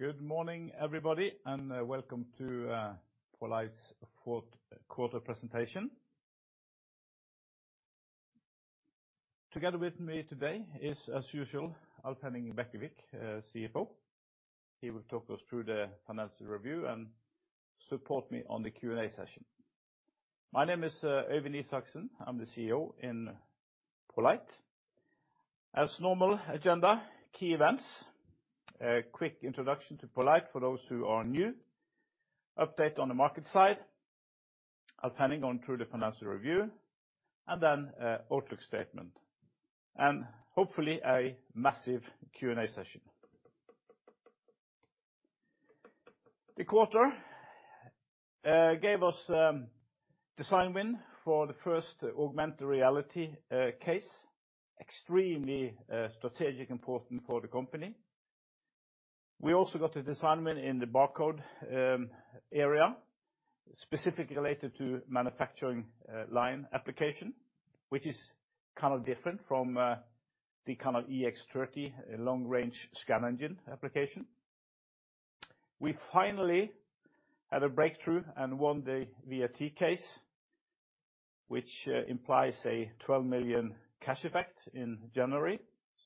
Good morning, everybody, and welcome to poLight's fourth quarter presentation. Together with me today is, as usual, Alf Henning Bekkevik, CFO. He will talk us through the financial review and support me on the Q&A session. My name is Øyvind Isaksen. I'm the CEO of poLight. As normal agenda, key events, a quick introduction to poLight for those who are new, update on the market side, Alf Henning through the financial review, and then outlook statement, and hopefully a massive Q&A session. The quarter gave us design-win for the first augmented reality case, extremely strategically important for the company. We also got a design-win in the barcode area, specifically related to manufacturing line application, which is kind of different from the kind of EX30 long-range scan engine application. We finally had a breakthrough and won the VAT case, which implies a 12 million cash effect in January,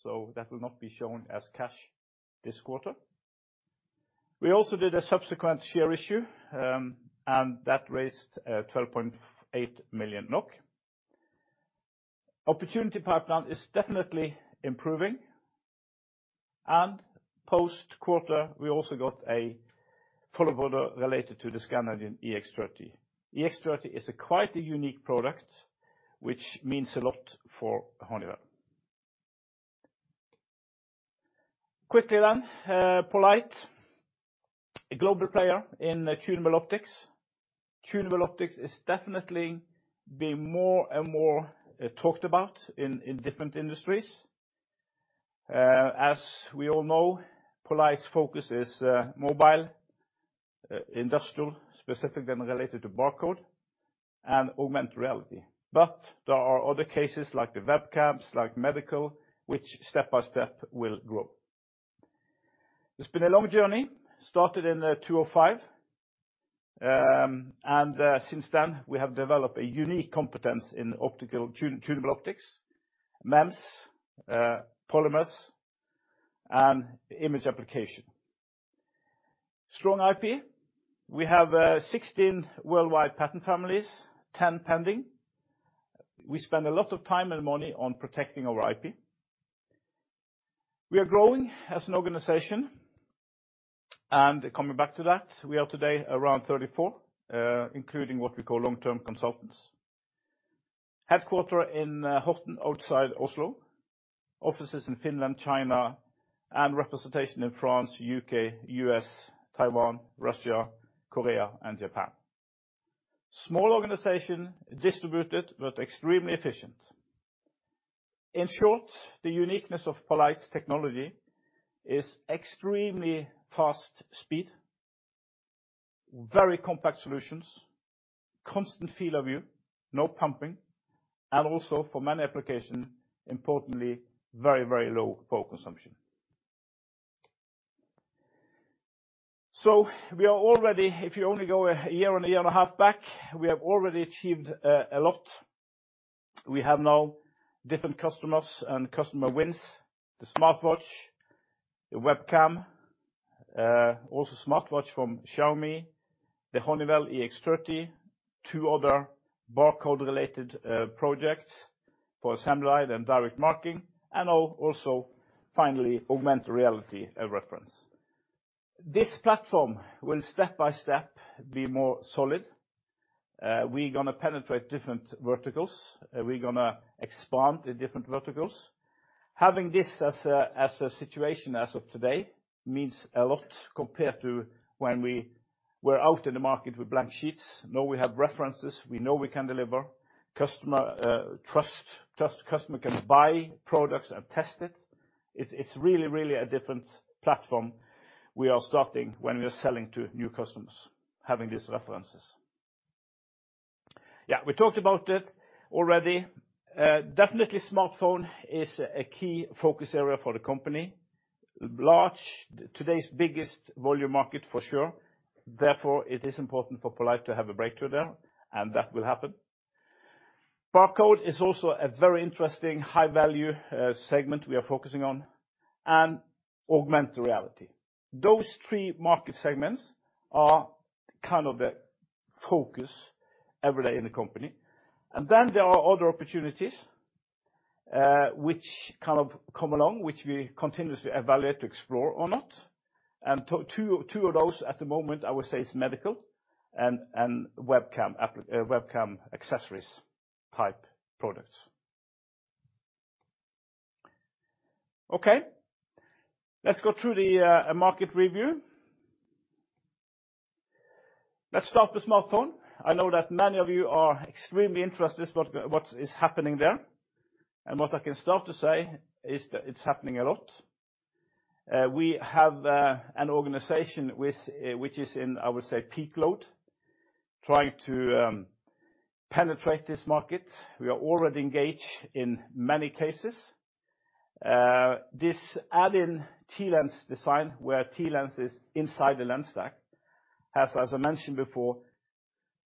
so that will not be shown as cash this quarter. We also did a subsequent share issue, and that raised 12.8 million NOK. Opportunity pipeline is definitely improving. Post-quarter, we also got a follow order related to the scan engine EX30. EX30 is a unique product, which means a lot for Honeywell. Quickly then, poLight, a global player in tunable optics. Tunable optics is definitely being more and more talked about in different industries. As we all know, poLight's focus is mobile, industrial, specifically related to barcode and augmented reality. There are other cases like the webcams, like medical, which step by step will grow. It's been a long journey, started in 2005, and since then we have developed a unique competence in tunable optics, MEMS, polymers, and imaging applications. Strong IP. We have 16 worldwide patent families, 10 pending. We spend a lot of time and money on protecting our IP. We are growing as an organization, and coming back to that, we are today around 34, including what we call long-term consultants. Headquartered in Horten outside Oslo, offices in Finland, China, and representation in France, U.K., U.S., Taiwan, Russia, Korea, and Japan. Small organization, distributed, but extremely efficient. In short, the uniqueness of poLight's technology is extremely fast speed, very compact solutions, constant field of view, no pumping, and also for many applications, importantly, very, very low power consumption. We are already, if you only go a year and a year and a half back, we have already achieved a lot. We have now different customers and customer wins, the smartwatch, the webcam, also smartwatch from Xiaomi, the Honeywell EX30, two other barcode-related projects for assembly line and direct marking, and also finally augmented reality reference. This platform will step by step be more solid. We're gonna penetrate different verticals. We're gonna expand in different verticals. Having this as a situation as of today means a lot compared to when we were out in the market with blank sheets. Now we have references. We know we can deliver. Customer trust customer can buy products and test it. It's really a different platform we are starting when we are selling to new customers, having these references. Yeah, we talked about it already. Definitely smartphone is a key focus area for the company. Largest, today's biggest volume market for sure. Therefore, it is important for poLight to have a breakthrough there, and that will happen. Barcode is also a very interesting high-value segment we are focusing on, and augmented reality. Those three market segments are kind of the focus every day in the company. There are other opportunities, which kind of come along, which we continuously evaluate to explore or not. Two of those at the moment, I would say, is medical and webcam accessories-type products. Okay. Let's go through the market review. Let's start with smartphone. I know that many of you are extremely interested in what is happening there. What I can start to say is that it's happening a lot. We have an organization which is in, I would say, peak load trying to penetrate this market. We are already engaged in many cases. This Add-In TLens design, where TLens is inside the lens stack, as I mentioned before,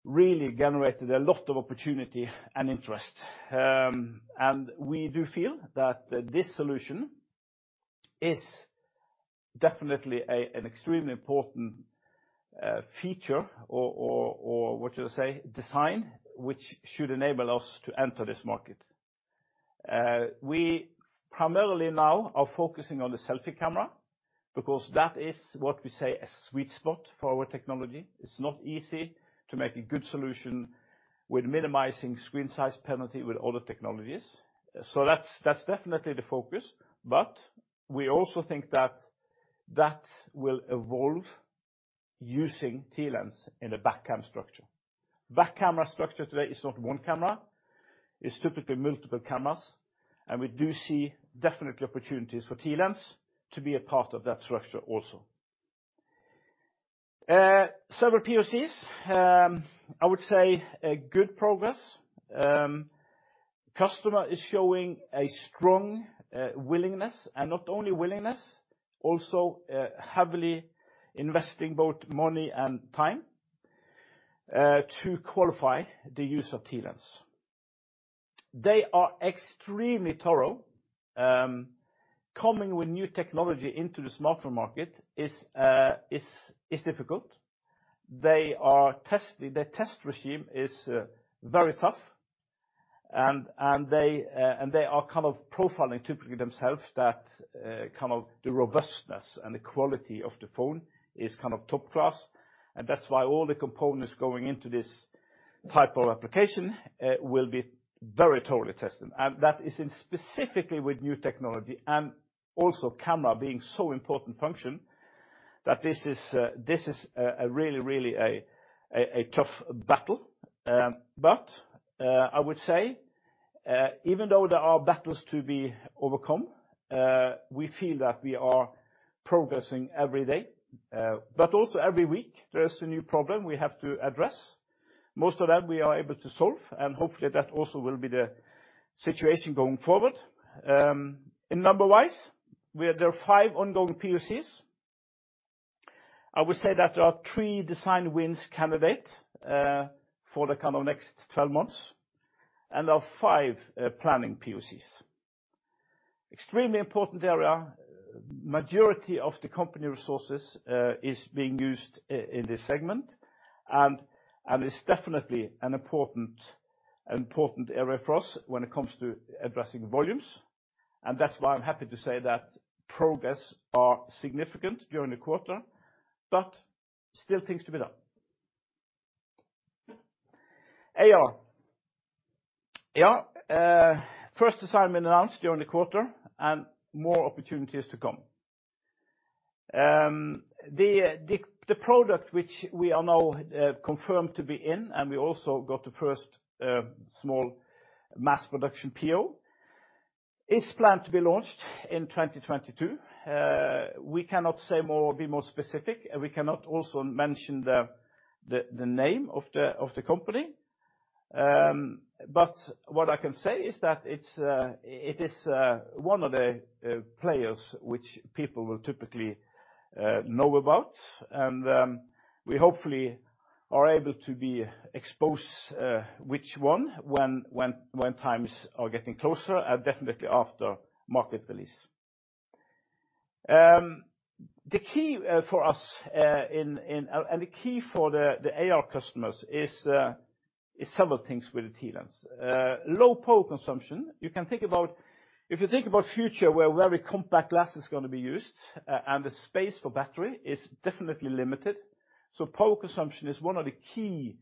really generated a lot of opportunity and interest. We do feel that this solution is definitely an extremely important feature or what you say, design, which should enable us to enter this market. We primarily now are focusing on the selfie camera because that is what we say a sweet spot for our technology. It's not easy to make a good solution with minimizing screen size penalty with other technologies. That's definitely the focus, but we also think that will evolve using TLens in a back cam structure. Back camera structure today is not one camera, it's typically multiple cameras, and we do see definitely opportunities for TLens to be a part of that structure also. Several PoCs. I would say a good progress. Customer is showing a strong willingness, and not only willingness, also heavily investing both money and time to qualify the use of TLens. They are extremely thorough. Coming with new technology into the smartphone market is difficult. They are testing, their test regime is very tough, and they are kind of profiling typically themselves that the robustness and the quality of the phone is kind of top class. That's why all the components going into this type of application will be very thoroughly tested. That is especially with new technology and also camera being so important function that this is a really tough battle. I would say even though there are battles to be overcome we feel that we are progressing every day. Also every week, there's a new problem we have to address. Most of that we are able to solve, and hopefully that also will be the situation going forward. In number-wise, there are five ongoing PoCs. I would say that there are three design-win candidates for the kind of next 12 months, and there are five planning PoCs. This is an extremely important area. The majority of the company resources is being used in this segment. It's definitely an important area for us when it comes to addressing volumes. That's why I'm happy to say that progress are significant during the quarter, but still things to be done. AR, first design-win announced during the quarter and more opportunities to come. The product which we are now confirmed to be in, and we also got the first small mass Production PO, is planned to be launched in 2022. We cannot say more or be more specific, and we cannot also mention the name of the company. But what I can say is that it is one of the players which people will typically know about. We hopefully are able to expose which one, when times are getting closer, definitely after market release. The key for us in... The key for the AR customers is several things with the TLens. Low power consumption. If you think about the future where very compact glasses is gonna be used and the space for battery is definitely limited. Power consumption is one of the key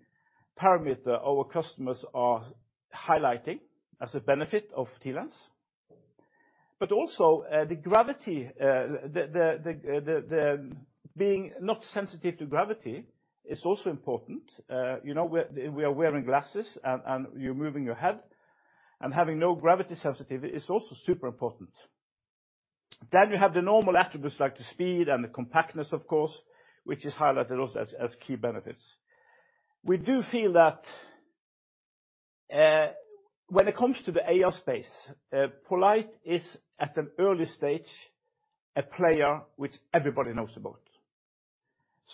parameter our customers are highlighting as a benefit of TLens. But also, the insensitivity to gravity is also important. You know, we are wearing glasses and you're moving your head and having no gravity sensitivity is also super important. You have the normal attributes like the speed and the compactness, of course, which is highlighted also as key benefits. We do feel that, when it comes to the AR space, poLight is, at an early stage, a player which everybody knows about.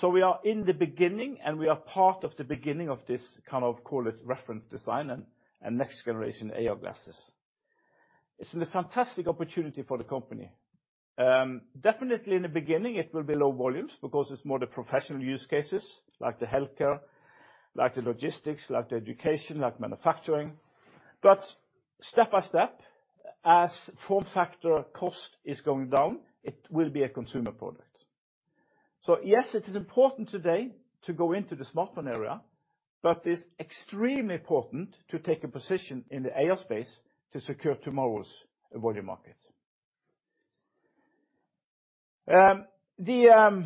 We are in the beginning, and we are part of the beginning of this kind of, call it, reference design and next generation AR glasses. It's a fantastic opportunity for the company. Definitely in the beginning, it will be low volumes because it's more the professional use cases like the healthcare, like the logistics, like the education, like manufacturing. Step by step, as form factor cost is going down, it will be a consumer product. Yes, it is important today to go into the smartphone area, but it's extremely important to take a position in the AR space to secure tomorrow's volume market. If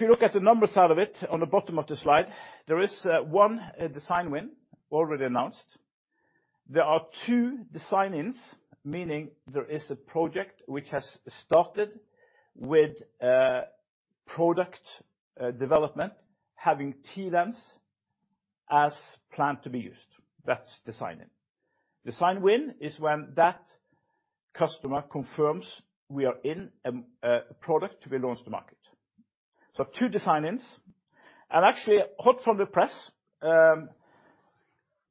you look at the numbers side of it on the bottom of the slide, there is one design-win already announced. There are two design-ins, meaning there is a project which has started with product development, having TLens as planned to be used. That's design-in. Design-win is when that customer confirms we are in a product to be launched to market. Two design-ins and actually hot from the press,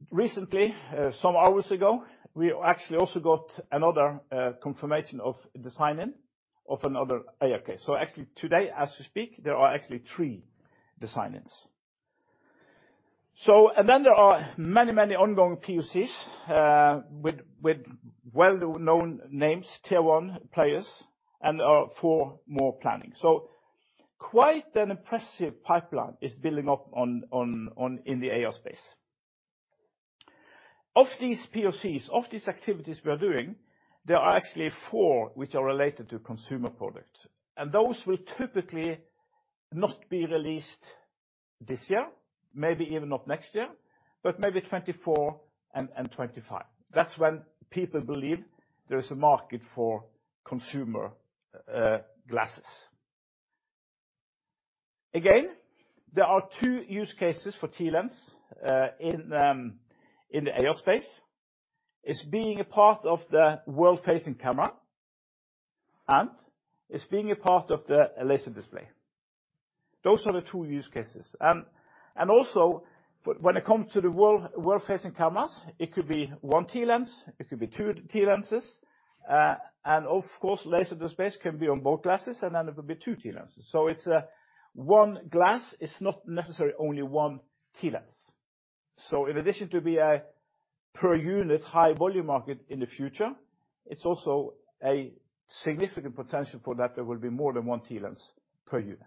recently some hours ago, we actually also got another confirmation of design-in of another AR case. Actually today as we speak, there are actually three design-ins. And then there are many, many ongoing PoCs with well-known names, tier one players and four more planning. Quite an impressive pipeline is building up in the AR space. Of these PoCs, of these activities we are doing, there are actually four which are related to consumer products. Those will typically not be released this year, maybe even not next year, but maybe 2024 and 2025. That's when people believe there is a market for consumer glasses. Again, there are two use cases for TLens in the AR space. It's being a part of the world-facing camera, and it's being a part of the laser display. Those are the two use cases. Also when it comes to the world-facing cameras, it could be one TLens, it could be two TLenses, and of course, laser displays can be on both glasses, and then it will be two TLenses. It's one glass is not necessarily only one TLens. In addition to be a per unit high volume market in the future, it's also a significant potential for that there will be more than one TLens per unit.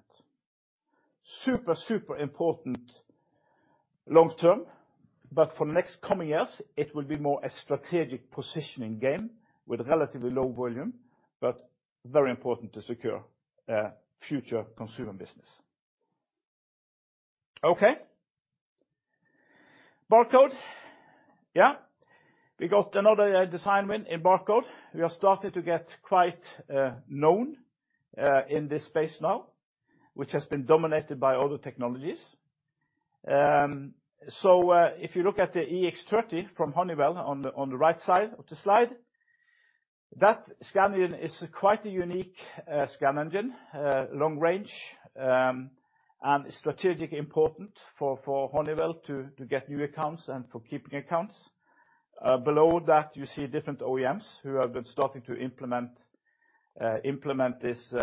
Super, super important long term, but for next coming years, it will be more a strategic positioning game with relatively low volume, but very important to secure future consumer business. Okay. Barcode. Yeah, we got another design-win in barcode. We are starting to get quite known in this space now, which has been dominated by other technologies. If you look at the EX30 from Honeywell on the right side of the slide, that scan engine is quite a unique scan engine, long range, and strategically important for Honeywell to get new accounts and for keeping accounts. Below that, you see different OEMs who have been starting to implement this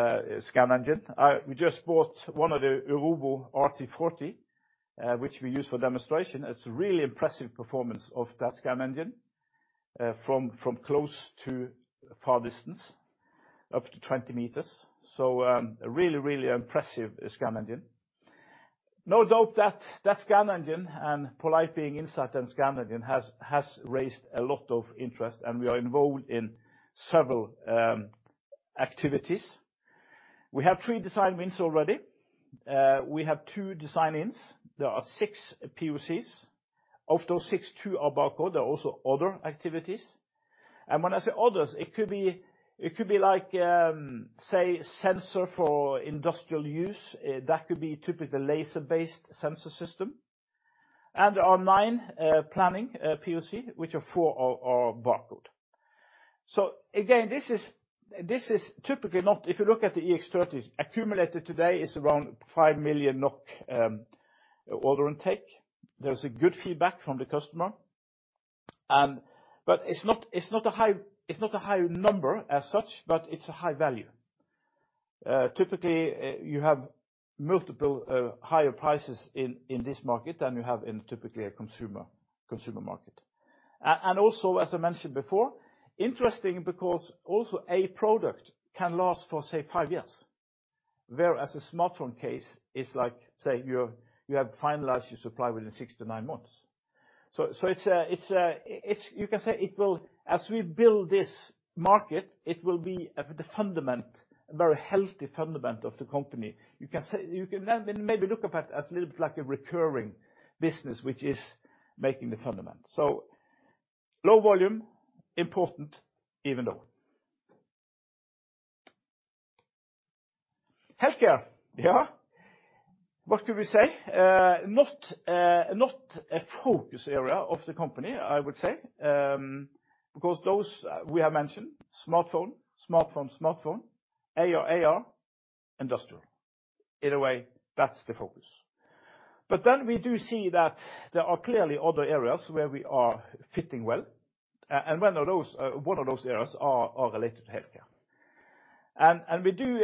scan engine. We just bought one of the Urovo RT40, which we use for demonstration. It's a really impressive performance of that scan engine, from close to far distance, up to 20 m. A really impressive scan engine. No doubt that that scan engine and poLight being inside that scan engine has raised a lot of interest, and we are involved in several activities. We have three design-wins already. We have two design-ins. There are six PoCs. Of those six, two are barcode, there are also other activities. When I say others, it could be like, say sensor for industrial use, that could be typical laser-based sensor system. There are nine planned PoCs, which four are barcode. This is typically not. If you look at the EX30, accumulated today is around 5 million NOK order intake. There is good feedback from the customer, but it is not a high number as such, but it is a high value. Typically, you have much higher prices in this market than you have in typically a consumer market. And also, as I mentioned before, interesting because also a product can last for, say, five years, whereas a smartphone case is like, say, you have finalized your supply within six to nine months. It is as we build this market, it will be the foundation, a very healthy foundation of the company. You can then maybe look at that as a little bit like a recurring business, which is making the fundament. Low volume, important even though. Healthcare. Yeah. What could we say? Not a focus area of the company, I would say, because those we have mentioned, smartphone, AR, industrial. In a way, that's the focus. We do see that there are clearly other areas where we are fitting well, and one of those areas are related to healthcare. We do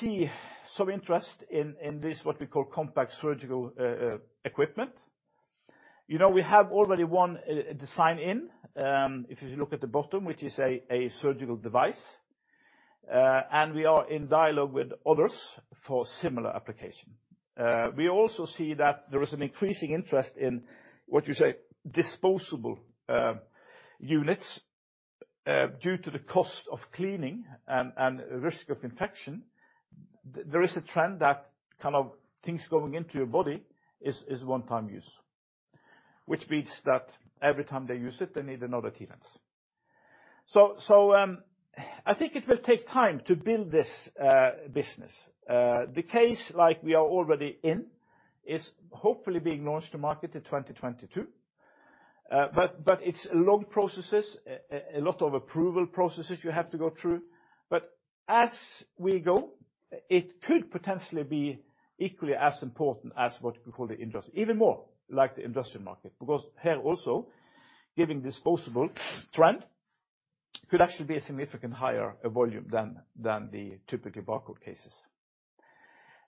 see some interest in this what we call compact surgical equipment. You know, we have already one design-in, if you look at the bottom, which is a surgical device, and we are in dialogue with others for similar application. We also see that there is an increasing interest in what you say, disposable units due to the cost of cleaning and risk of infection. There is a trend that kind of things going into your body is one time use, which means that every time they use it, they need another TLens. I think it will take time to build this business. The case like we are already in is hopefully being launched to market in 2022. It's long processes, a lot of approval processes you have to go through. As we go, it could potentially be equally as important as what we call the industry. Even more like the industrial market, because here also, given disposable trend, could actually be a significant higher volume than the typical barcode cases.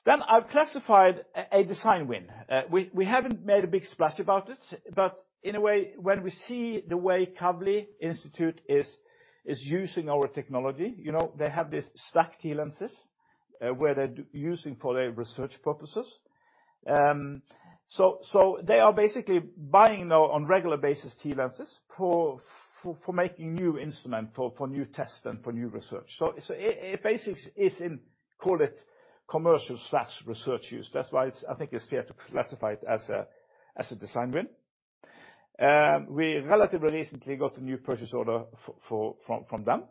I've classified a design-win. We haven't made a big splash about it, but in a way, when we see the way Kavli Institute is using our technology, you know, they have these stacked TLenses, where they're using for their research purposes. So they are basically buying now on regular basis TLenses for making new instrument, for new tests and for new research. So it basics is in, call it commercial slash research use. That's why it's, I think it's fair to classify it as a design-win. We relatively recently got a new purchase order for from them.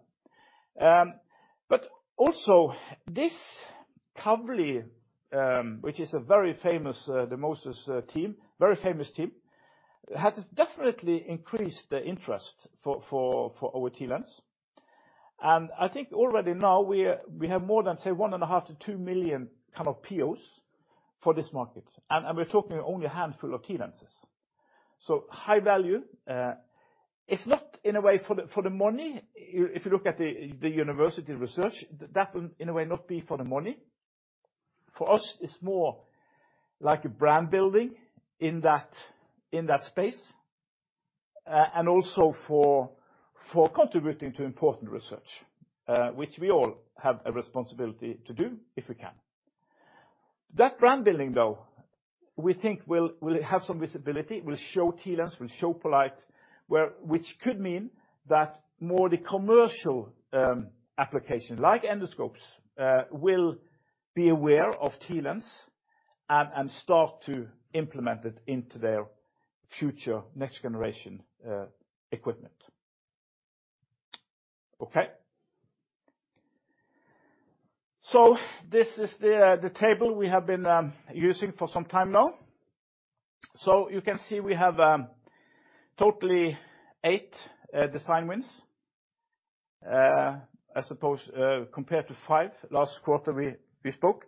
But also this Kavli, which is a very famous Moser Team, has definitely increased the interest for our TLens. I think already now we have more than, say, 1.5-2 million kind of POs for this market. We're talking only a handful of TLenses. So high value. It's not in a way for the money. If you look at the university research, that will in a way not be for the money. For us, it's more like a brand building in that space, and also for contributing to important research, which we all have a responsibility to do if we can. That brand building, though, we think will have some visibility, will show TLens, will show poLight, which could mean that more commercial applications like endoscopes will be aware of TLens and start to implement it into their future next generation equipment. Okay. This is the table we have been using for some time now. You can see we have totally 8 design-wins, as opposed, compared to five last quarter we spoke.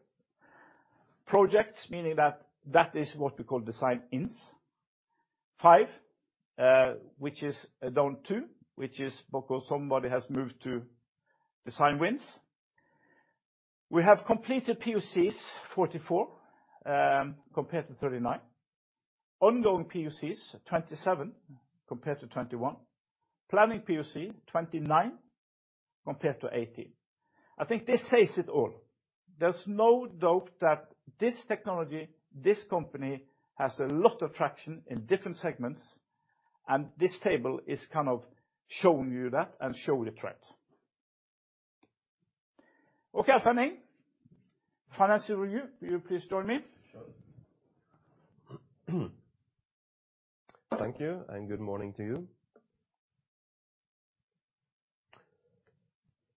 Projects, meaning that is what we call design-ins. Five which is down two, which is because somebody has moved to design-wins. We have completed PoCs 44, compared to 39. Ongoing PoCs 27, compared to 21. Planning PoC 29, compared to 18. I think this says it all. There's no doubt that this technology, this company, has a lot of traction in different segments, and this table is kind of showing you that and show the trends. Okay, Alf Henning, financial review. Will you please join me? Sure. Thank you, and good morning to you.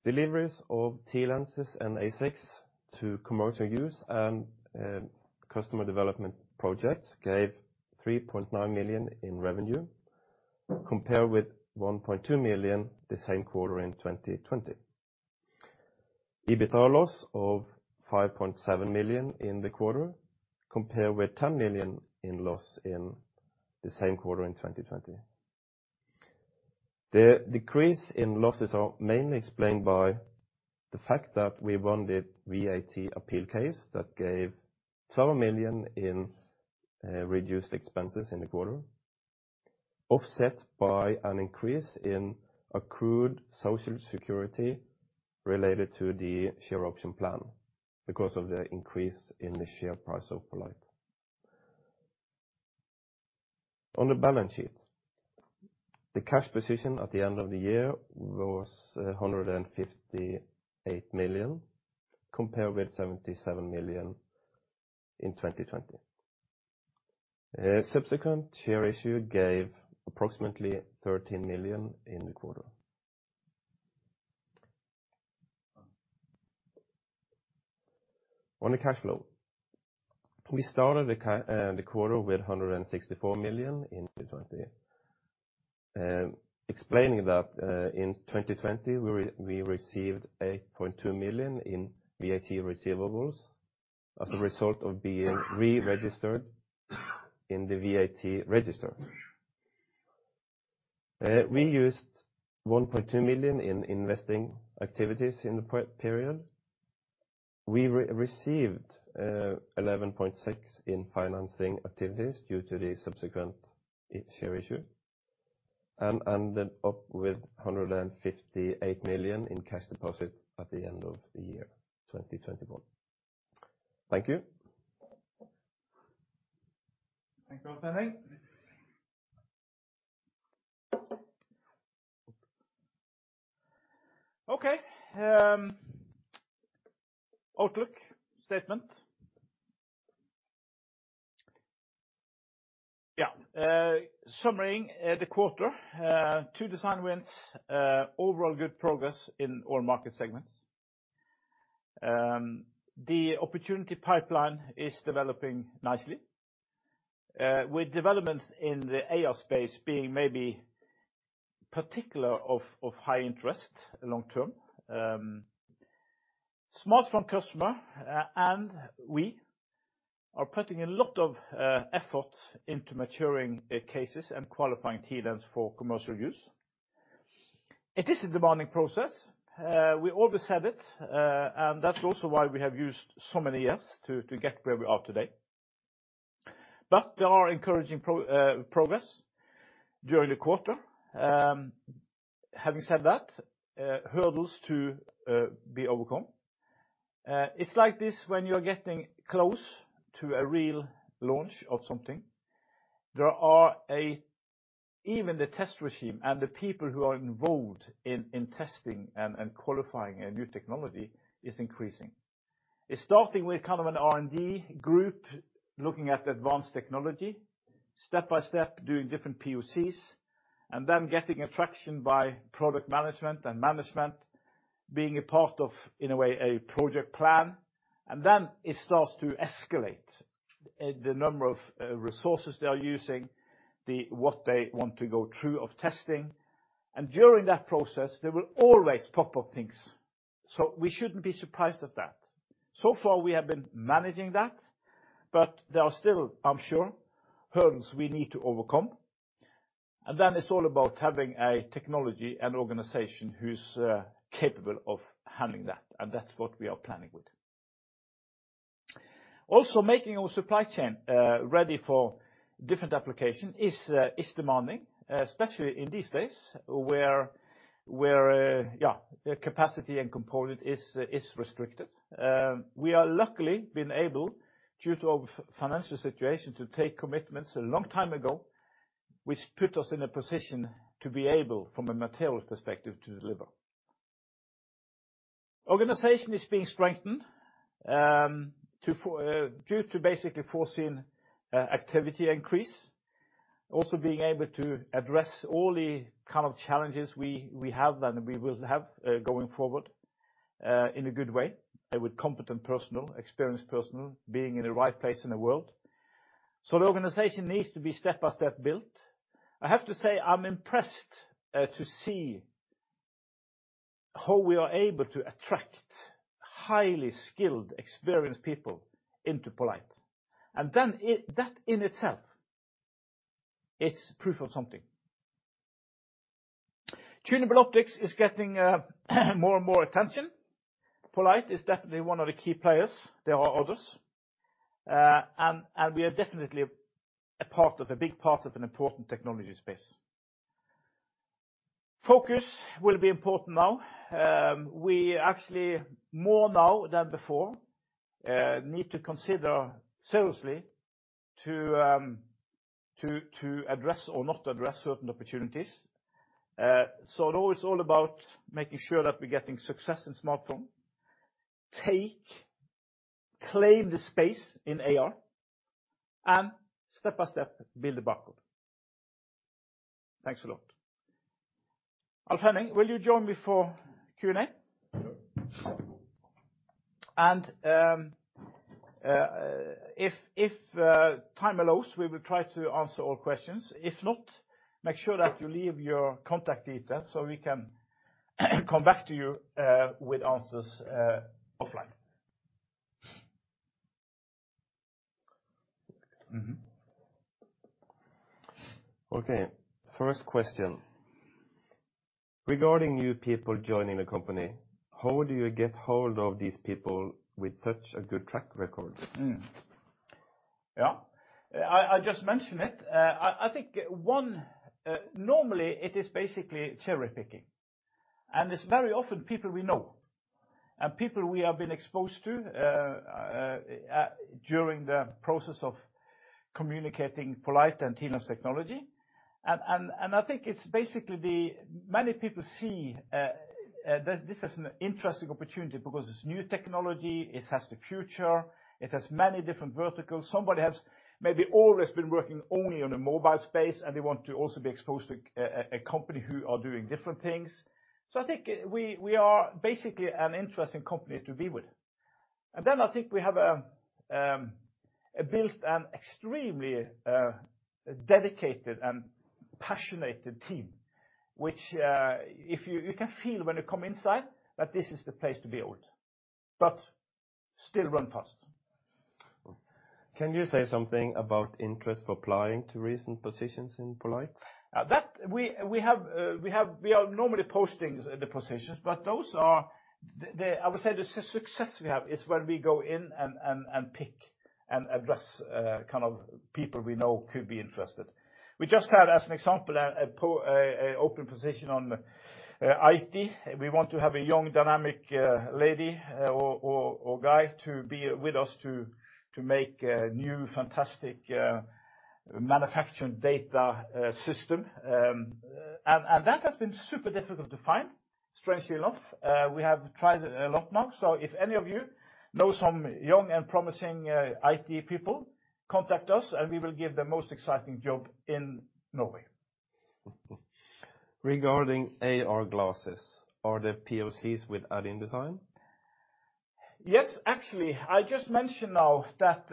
Deliveries of TLens and ASICs to commercial use and customer development projects gave 3.9 million in revenue, compared with 1.2 million the same quarter in 2020. EBITDA loss of 5.7 million in the quarter, compared with 10 million in loss in the same quarter in 2020. The decrease in losses are mainly explained by the fact that we won the VAT appeal case that gave 12 million in reduced expenses in the quarter, offset by an increase in accrued Social Security related to the share option plan because of the increase in the share price of poLight. On the balance sheet, the cash position at the end of the year was 158 million, compared with 77 million in 2020. A subsequent share issue gave approximately 13 million in the quarter. On the cash flow, we started the quarter with 164 million in 2020. Explaining that, in 2020, we received 8.2 million in VAT receivables as a result of being re-registered in the VAT register. We used 1.2 million in investing activities in the previous period. We received 11.6 million in financing activities due to the subsequent share issue and ended up with 158 million in cash deposit at the end of the year 2021. Thank you. Thank you, Alf Henning. Outlook statement. Summary of the quarter, two design-wins, overall good progress in all market segments. The opportunity pipeline is developing nicely, with developments in the AR space being maybe particularly of high interest long term. Smartphone customer and we are putting a lot of effort into maturing cases and qualifying TLens for commercial use. It is a demanding process. We always had it, and that's also why we have used so many years to get where we are today. There are encouraging progress during the quarter. Having said that, hurdles to be overcome. It's like this, when you're getting close to a real launch of something, there are even the test regime and the people who are involved in testing and qualifying a new technology is increasing. It's starting with kind of an R&D group looking at advanced technology, step-by-step doing different PoCs, and then getting attention from product management and management being a part of, in a way, a project plan. Then it starts to escalate the number of resources they are using, what they want to go through of testing. During that process, there will always pop up things, so we shouldn't be surprised at that. So far, we have been managing that, but there are still, I'm sure, hurdles we need to overcome. It's all about having a technology and organization who's capable of handling that, and that's what we are planning with. Also, making our supply chain ready for different application is demanding, especially in these days where the capacity and component is restricted. We are luckily been able, due to our financial situation, to take commitments a long time ago, which put us in a position to be able, from a material perspective, to deliver. Organization is being strengthened due to basically foreseen activity increase. Also being able to address all the kind of challenges we have and we will have going forward in a good way with competent personnel, experienced personnel being in the right place in the world. The organization needs to be step-by-step built. I have to say, I'm impressed to see how we are able to attract highly skilled, experienced people into poLight. That in itself is proof of something. Tunable optics is getting more and more attention. poLight is definitely one of the key players. There are others. We are definitely a part of, a big part of an important technology space. Focus will be important now. We actually, more now than before, need to consider seriously to address or not address certain opportunities. Now it's all about making sure that we're getting success in smartphone, claim the space in AR, and step-by-step build the backlog. Thanks a lot. Alf Henning Bekkevik, will you join me for Q&A? Sure. If time allows, we will try to answer all questions. If not, make sure that you leave your contact details so we can come back to you with answers offline. Okay, first question. Regarding new people joining the company, how do you get hold of these people with such a good track record? I just mentioned it. I think normally it is basically cherry-picking, and it's very often people we know and people we have been exposed to during the process of communicating poLight and TLens technology. I think it's basically the many people see that this is an interesting opportunity because it's new technology, it has the future, it has many different verticals. Somebody has maybe always been working only on a mobile space, and they want to also be exposed to a company who are doing different things. I think we are basically an interesting company to be with. I think we have built an extremely dedicated and passionate team, which if you You can feel when you come inside that this is the place to be with, but still run fast. Can you say something about interest in applying to recent positions in poLight? We are normally posting the positions, but those are. I would say, the success we have is when we go in and pick and address kind of people we know could be interested. We just had, as an example, an open position on IT. We want to have a young, dynamic lady or guy to be with us to make new fantastic manufacturing data system. That has been super difficult to find, strangely enough. We have tried a lot now. If any of you know some young and promising IT people, contact us and we will give the most exciting job in Norway. Regarding AR glasses, are there PoCs with Add-In design? Yes. Actually, I just mentioned now that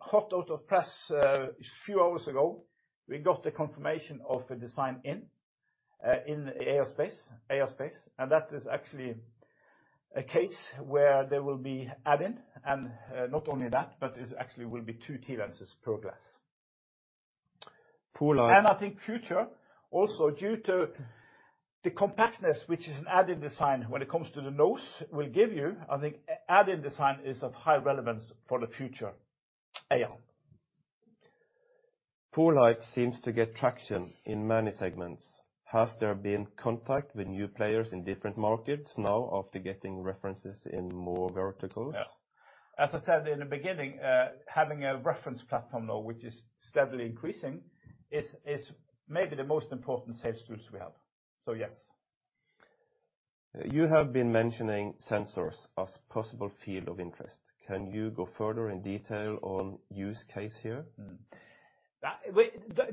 hot off the press a few hours ago, we got the confirmation of the design-in in AR space, and that is actually a case where there will be Add-In and not only that, but it actually will be two TLenses per glass. poLight I think future also due to the compactness, which is an Add-In design when it comes to the lens will give you. I think Add-In design is of high relevance for the future AR. poLight seems to get traction in many segments. Has there been contact with new players in different markets now after getting references in more verticals? Yeah. As I said in the beginning, having a reference platform now, which is steadily increasing, is maybe the most important sales tools we have. Yes. You have been mentioning sensors as possible field of interest. Can you go further in detail on use case here?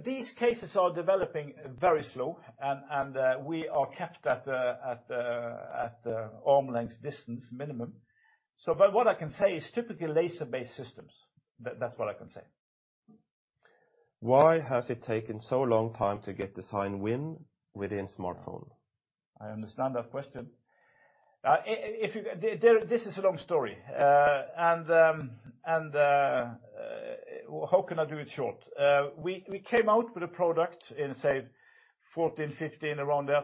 These cases are developing very slow and we are kept at the arm's length distance minimum. But what I can say is typically laser-based systems. That's what I can say. Why has it taken so long time to get design-win within smartphone? I understand that question. This is a long story. How can I do it short? We came out with a product in, say, 2014, 2015, around there.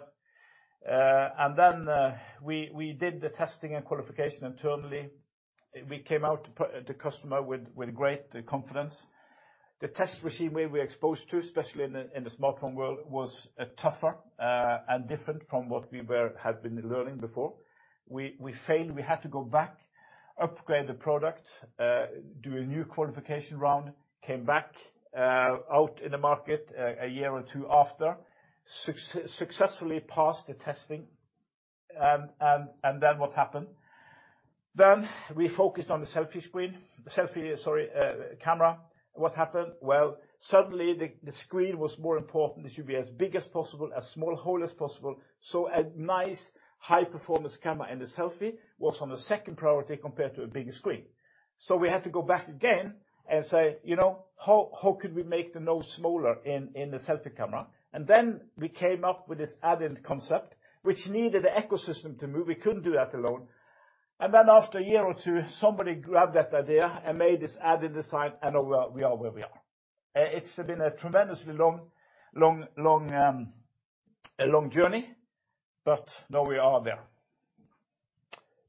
We did the testing and qualification internally. We came out to the customer with great confidence. The test regime we were exposed to, especially in the smartphone world, was tougher and different from what we had been learning before. We failed. We had to go back, upgrade the product, do a new qualification round. We came back out in the market a year or two after, successfully passed the testing. What happened? We focused on the selfie camera. What happened? Well, suddenly the screen was more important. It should be as big as possible, as small hole as possible. A nice high-performance camera in the selfie was on the second priority compared to a bigger screen. We had to go back again and say, you know, "How could we make the notch smaller in the selfie camera?" Then we came up with this Add-In concept, which needed a ecosystem to move. We couldn't do that alone. After a year or two, somebody grabbed that idea and made this Add-In design, and now we are where we are. It's been a tremendously long journey, but now we are there.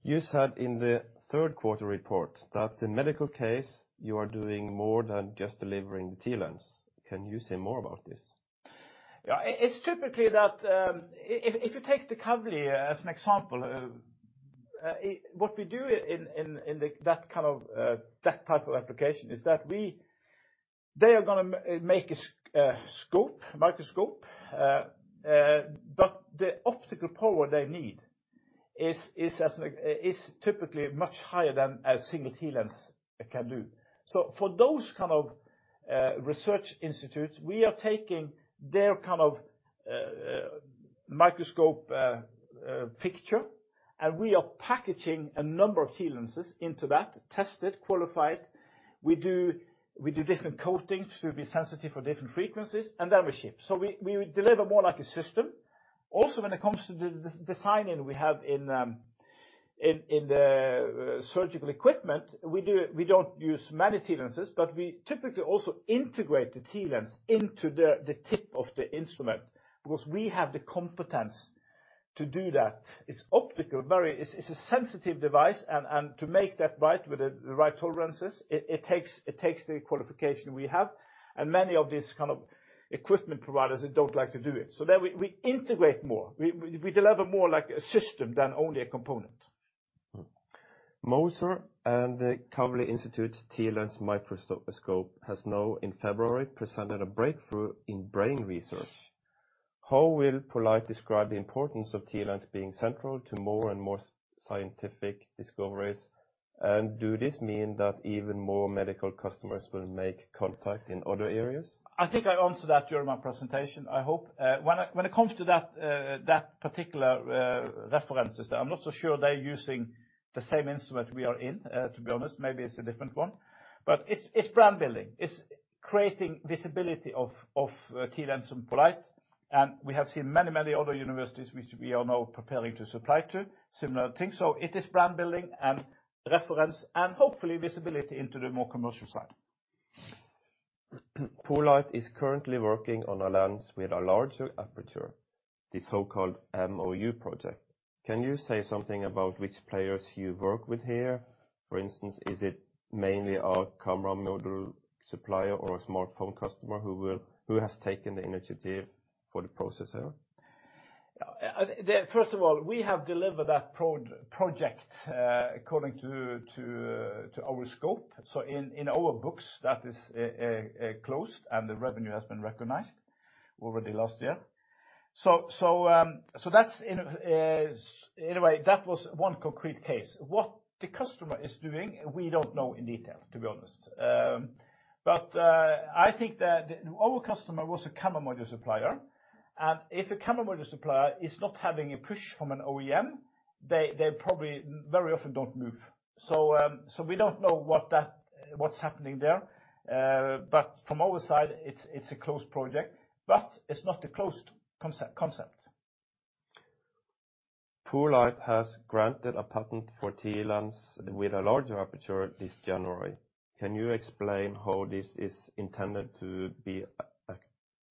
You said in the third quarter report that the medical case, you are doing more than just delivering the TLens. Can you say more about this? Yeah. It's typically that if you take the Kavli as an example, what we do in that kind of application is that they are going to make a microscope. But the optical power they need is typically much higher than a single TLens can do. So for those kind of research institutes, we are taking their kind of microscope fixture, and we are packaging a number of TLenses into that, test it, qualify it. We do different coatings to be sensitive for different frequencies, and then we ship. So we deliver more like a system. Also, when it comes to the design-in we have in the surgical equipment, we don't use many TLenses, but we typically also integrate the TLens into the tip of the instrument, because we have the competence to do that. It's an optically very sensitive device. To make that right with the right tolerances, it takes the qualification we have. Many of these kind of equipment providers, they don't like to do it. There we integrate more. We deliver more like a system than only a component. Moser and the Kavli Institute's TLens microscope has now in February presented a breakthrough in brain research. How will poLight describe the importance of TLens being central to more and more scientific discoveries? Do this mean that even more medical customers will make contact in other areas? I think I answered that during my presentation, I hope. When it comes to that particular reference system, I'm not so sure they're using the same instrument we are using, to be honest. Maybe it's a different one. It's brand building. It's creating visibility of TLens and poLight. We have seen many other universities which we are now preparing to supply to similar things. It is brand building and reference and hopefully visibility into the more commercial side. poLight is currently working on a lens with a larger aperture, the so-called MOU project. Can you say something about which players you work with here? For instance, is it mainly a camera module supplier or a smartphone customer who has taken the initiative for the processor? First of all, we have delivered that project according to our scope. In our books that is closed, and the revenue has been recognized already last year. That's it, anyway. That was one concrete case. What the customer is doing, we don't know in detail, to be honest. I think that our customer was a camera module supplier, and if a camera module supplier is not having a push from an OEM, they probably very often don't move. We don't know what's happening there. From our side, it's a closed project, but it's not a closed concept. poLight has been granted a patent for TLens with a larger aperture this January. Can you explain how this is intended to be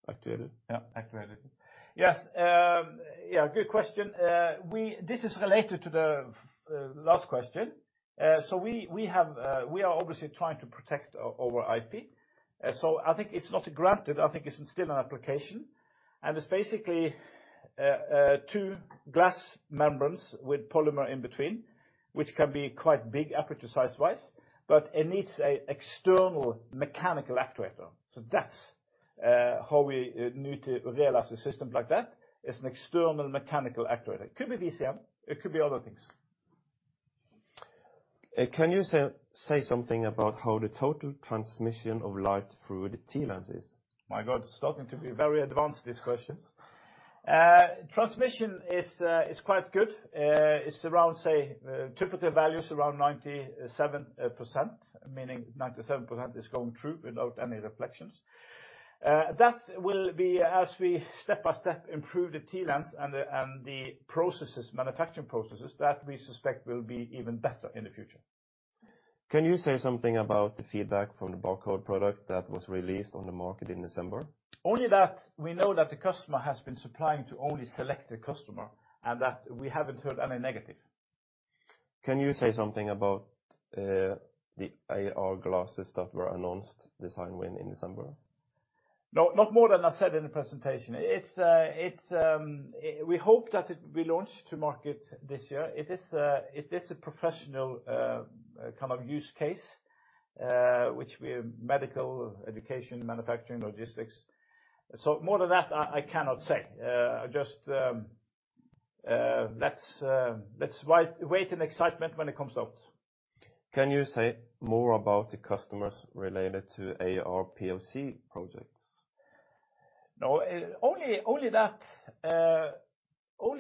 activated? Yeah, activated. Yes. Good question. This is related to the last question. We are obviously trying to protect our IP. I think it's not granted. I think it's still an application, and it's basically two glass membranes with polymer in between, which can be quite big aperture size-wise, but it needs an external mechanical actuator. That's how we need to realize a system like that. It's an external mechanical actuator. It could be VCM. It could be other things. Can you say something about how the total transmission of light through the TLens is? My God, it's starting to be very advanced, these questions. Transmission is quite good. It's around, say, typical values around 97%, meaning 97% is going through without any reflections. That will be as we step by step improve the TLens and the manufacturing processes that we suspect will be even better in the future. Can you say something about the feedback from the barcode product that was released on the market in December? Only that we know that the customer has been supplying to only selected customer, and that we haven't heard any negative. Can you say something about the AR glasses that were announced design-win in December? No, not more than I said in the presentation. We hope that it will launch to market this year. It is a professional kind of use case, medical, education, manufacturing, logistics. More than that, I cannot say. Just, let's wait in excitement when it comes out. Can you say more about the customers related to AR PoC projects? No, only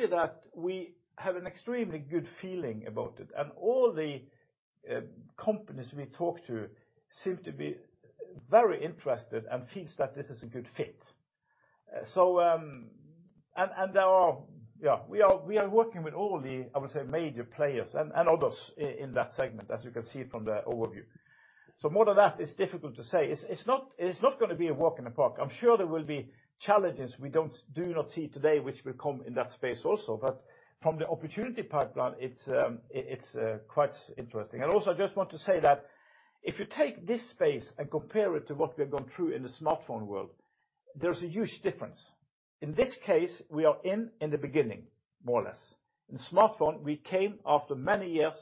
that we have an extremely good feeling about it, and all the companies we talk to seem to be very interested and feels that this is a good fit. We are working with all the, I would say, major players and others in that segment, as you can see from the overview. More than that, it's difficult to say. It's not gonna be a walk in the park. I'm sure there will be challenges we do not see today which will come in that space also. From the opportunity pipeline, it's quite interesting. Also, I just want to say that if you take this space and compare it to what we have gone through in the smartphone world, there's a huge difference. In this case, we are in the beginning, more or less. In smartphone, we came after many years.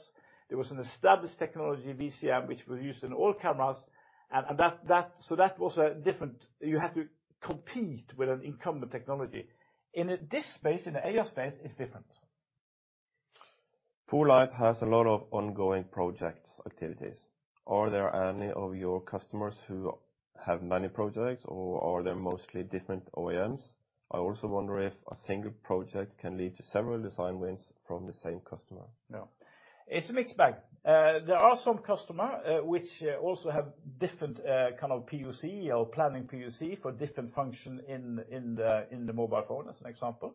There was an established technology, VCM, which was used in all cameras, and that so that was different. You had to compete with an incumbent technology. In this space, in the AR space, it's different. poLight has a lot of ongoing projects activities. Are there any of your customers who have many projects or are there mostly different OEMs? I also wonder if a single project can lead to several design-wins from the same customer. Yeah. It's a mixed bag. There are some customer which also have different kind of PoC or planning PoC for different function in the mobile phone, as an example.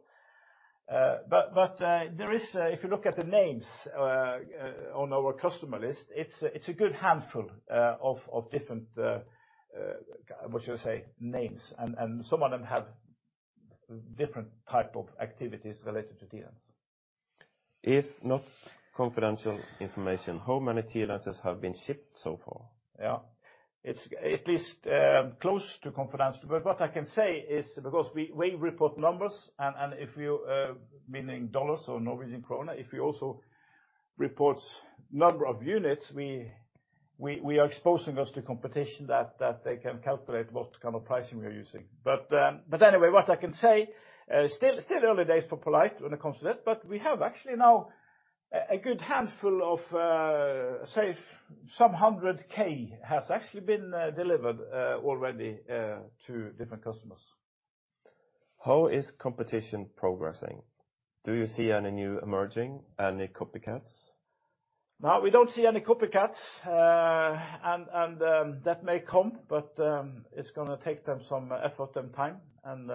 But there is if you look at the names on our customer list, it's a good handful of different names. Some of them have different type of activities related to TLens. If not confidential information, how many TLens have been shipped so far? Yeah. It's at least close to confidential. What I can say is because we report numbers and if you meaning dollars or Norwegian krone, if we also report number of units, we are exposing us to competition that they can calculate what kind of pricing we are using. Anyway, what I can say, still early days for poLight when it comes to that, but we have actually now a good handful of, say some 100K has actually been delivered already to different customers. How is competition progressing? Do you see any new emerging, any copycats? No, we don't see any copycats. That may come, but it's gonna take them some effort and time and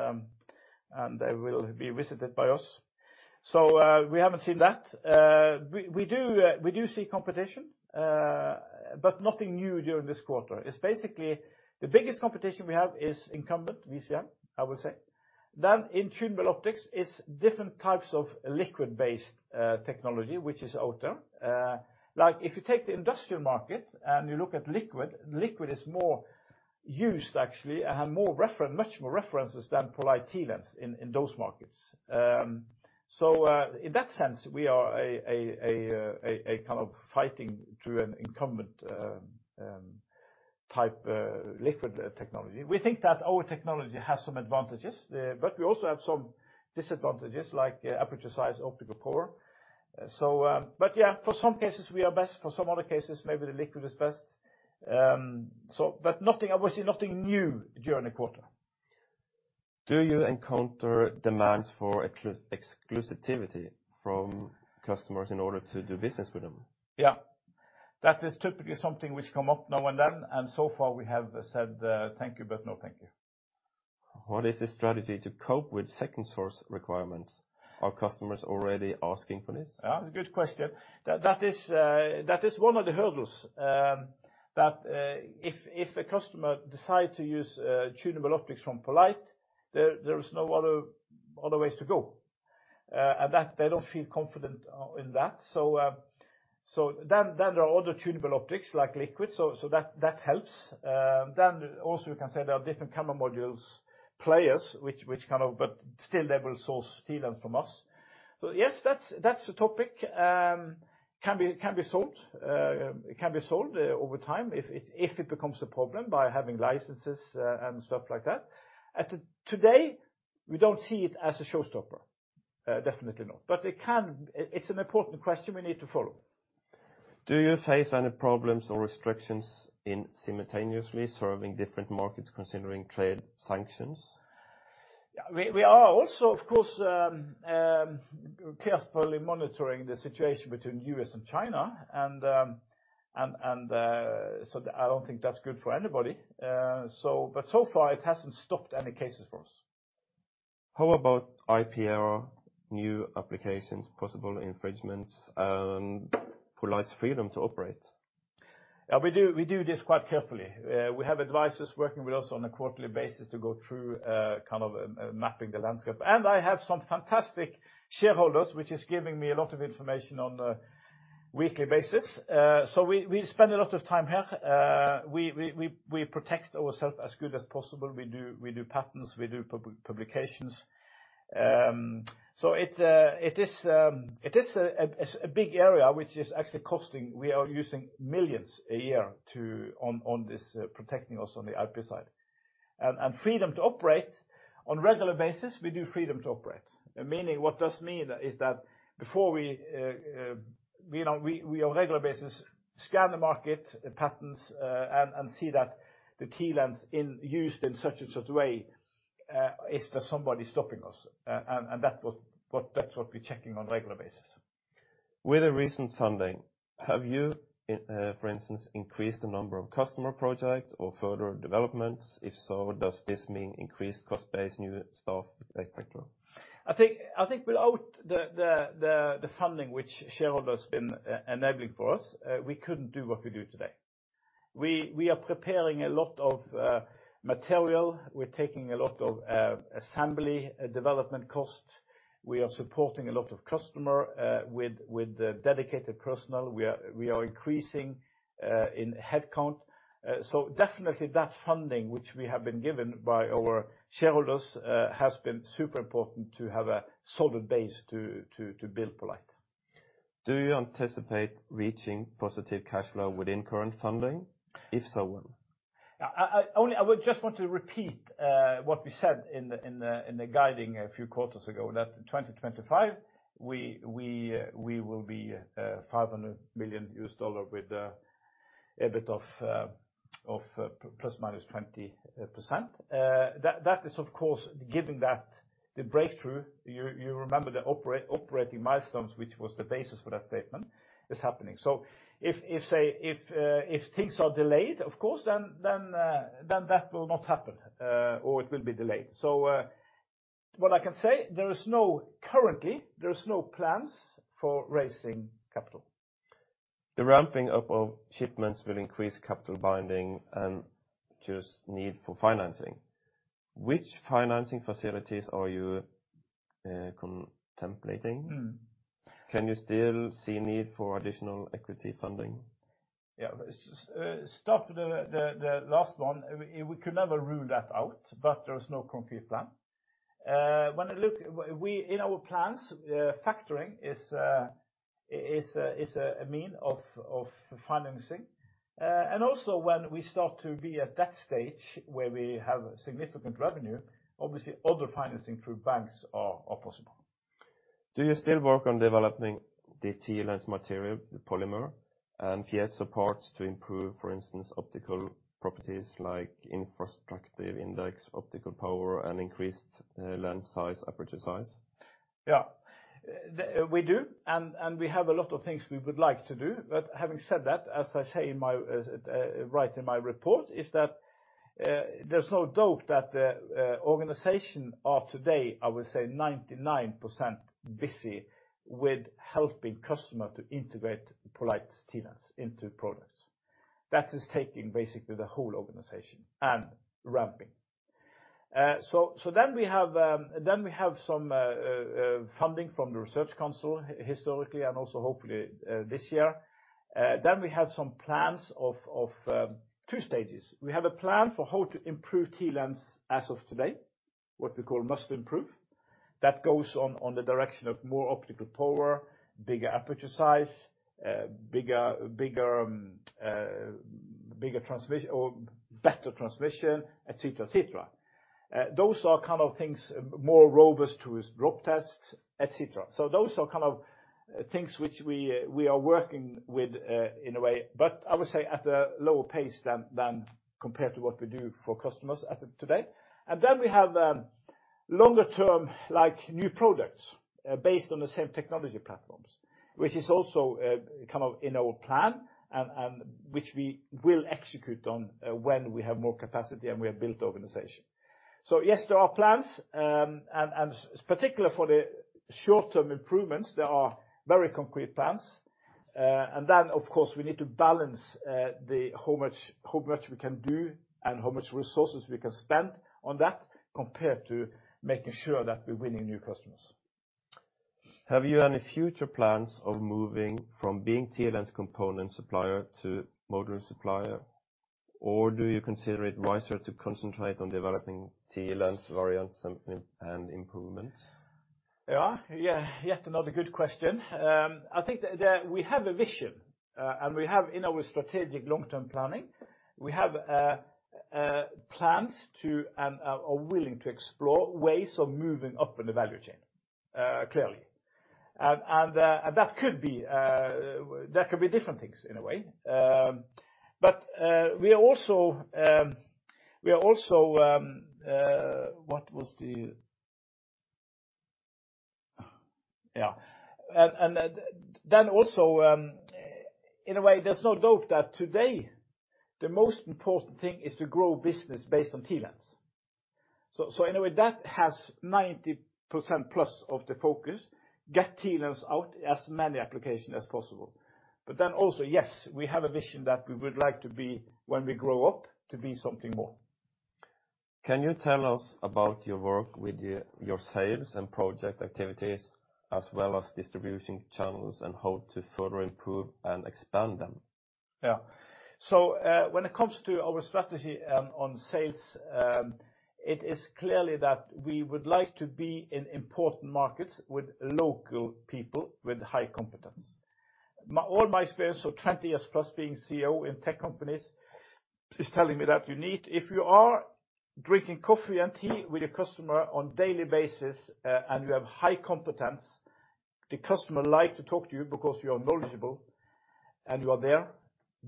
they will be visited by us. We haven't seen that. We do see competition, but nothing new during this quarter. It's basically the biggest competition we have is incumbent VCM, I would say. Then in tunable optics is different types of liquid-based technology, which is out there. Like if you take the industrial market and you look at liquid is more used actually and have more references, much more references than poLight TLens in those markets. In that sense, we are a kind of fighting through an incumbent type liquid technology. We think that our technology has some advantages, but we also have some disadvantages like aperture size, optical power. Yeah, for some cases we are best, for some other cases, maybe the liquid is best. Nothing obviously new during the quarter. Do you encounter demands for true exclusivity from customers in order to do business with them? Yeah. That is typically something which come up now and then, and so far we have said, "Thank you, but no thank you. What is the strategy to cope with second source requirements? Are customers already asking for this? Good question. That is one of the hurdles that if a customer decide to use tunable optics from poLight, there is no other ways to go and that they don't feel confident in that. There are other tunable optics like liquids, so that helps. Also you can say there are different camera module players which kind of, still they will source TLens from us. Yes, that's a topic, it can be solved over time if it becomes a problem by having licenses and stuff like that. Today, we don't see it as a showstopper, definitely not. It can, it's an important question we need to follow. Do you face any problems or restrictions in simultaneously serving different markets considering trade sanctions? Yeah, we are also, of course, carefully monitoring the situation between U.S. and China, and so I don't think that's good for anybody. So far it hasn't stopped any cases for us. How about IPR, new applications, possible infringements, and poLight's freedom to operate? Yeah, we do this quite carefully. We have advisors working with us on a quarterly basis to go through kind of mapping the landscape. I have some fantastic shareholders, which is giving me a lot of information on a weekly basis. So we spend a lot of time here. We protect ourselves as good as possible. We do patents, we do publications. So it is a big area which is actually costing. We are using millions a year to on this protecting us on the IP side. Freedom to operate on regular basis, we do freedom to operate. I mean, what this means is that before we, on a regular basis, scan the market, the patents, and see that the TLens is used in such and such way, is there somebody stopping us. That's what we're checking on a regular basis. With the recent funding, have you, for instance, increased the number of customer projects or further developments? If so, does this mean increased cost base, new staff, et cetera? I think without the funding which shareholders been enabling for us, we couldn't do what we do today. We are preparing a lot of material. We're taking a lot of assembly development costs. We are supporting a lot of customer with dedicated personnel. We are increasing in headcount. Definitely that funding which we have been given by our shareholders has been super important to have a solid base to build poLight. Do you anticipate reaching positive cash flow within current funding? If so, when? I only would just want to repeat what we said in the guidance a few quarters ago, that 2025, we will be $500 million with a EBIT of ±20%, that is of course, given that the breakthrough, you remember the operating milestones, which was the basis for that statement, is happening. If, say, if things are delayed, of course, then that will not happen. Or it will be delayed. What I can say, currently, there is no plans for raising capital. The ramping up of shipments will increase capital binding and just need for financing. Which financing facilities are you contemplating? Mm. Can you still see need for additional equity funding? Yeah. Start with the last one. We could never rule that out, but there is no concrete plan. In our plans, factoring is a means of financing. Also when we start to be at that stage where we have significant revenue, obviously other financing through banks are possible. Do you still work on developing the TLens material, the polymer, and piezo parts to improve, for instance, optical properties like refractive index, optical power, and increased lens size, aperture size? We do and we have a lot of things we would like to do. Having said that, as I write in my report, there is no doubt that the organization of today I will say 99% busy with helping customer to integrate poLight's TLens into products. That is taking basically the whole organization and ramping. We have some funding from the research council historically and also hopefully this year. We have some plans of two stages. We have a plan for how to improve TLens as of today, what we call must improve. That goes in the direction of more optical power, bigger aperture size, better transmission, et cetera, et cetera. Those are kind of things, more robust to drop tests, et cetera. Those are kind of things which we are working with, in a way, but I would say at a lower pace than compared to what we do for customers as of today. We have longer term like new products, based on the same technology platforms, which is also kind of in our plan and which we will execute on, when we have more capacity and we have built the organization. Yes, there are plans, and particular for the short term improvements, there are very concrete plans. Of course, we need to balance the how much we can do and how much resources we can spend on that compared to making sure that we're winning new customers. Have you any future plans of moving from being TLens component supplier to module supplier? Or do you consider it wiser to concentrate on developing TLens variants and improvements? Yeah. Yet another good question. I think that we have a vision, and we have in our strategic long-term planning plans to and are willing to explore ways of moving up in the value chain, clearly. That could be different things in a way. In a way, there's no doubt that today the most important thing is to grow business based on TLens. In a way, that has +90% of the focus, get TLens out as many application as possible. Yes, we have a vision that we would like to be, when we grow up, to be something more. Can you tell us about your work with your sales and project activities as well as distribution channels and how to further improve and expand them? When it comes to our strategy on sales, it is clearly that we would like to be in important markets with local people with high competence. All my experience of 20 years plus being CEO in tech companies is telling me that you need if you are drinking coffee and tea with a customer on daily basis and you have high competence, the customer like to talk to you because you are knowledgeable and you are there,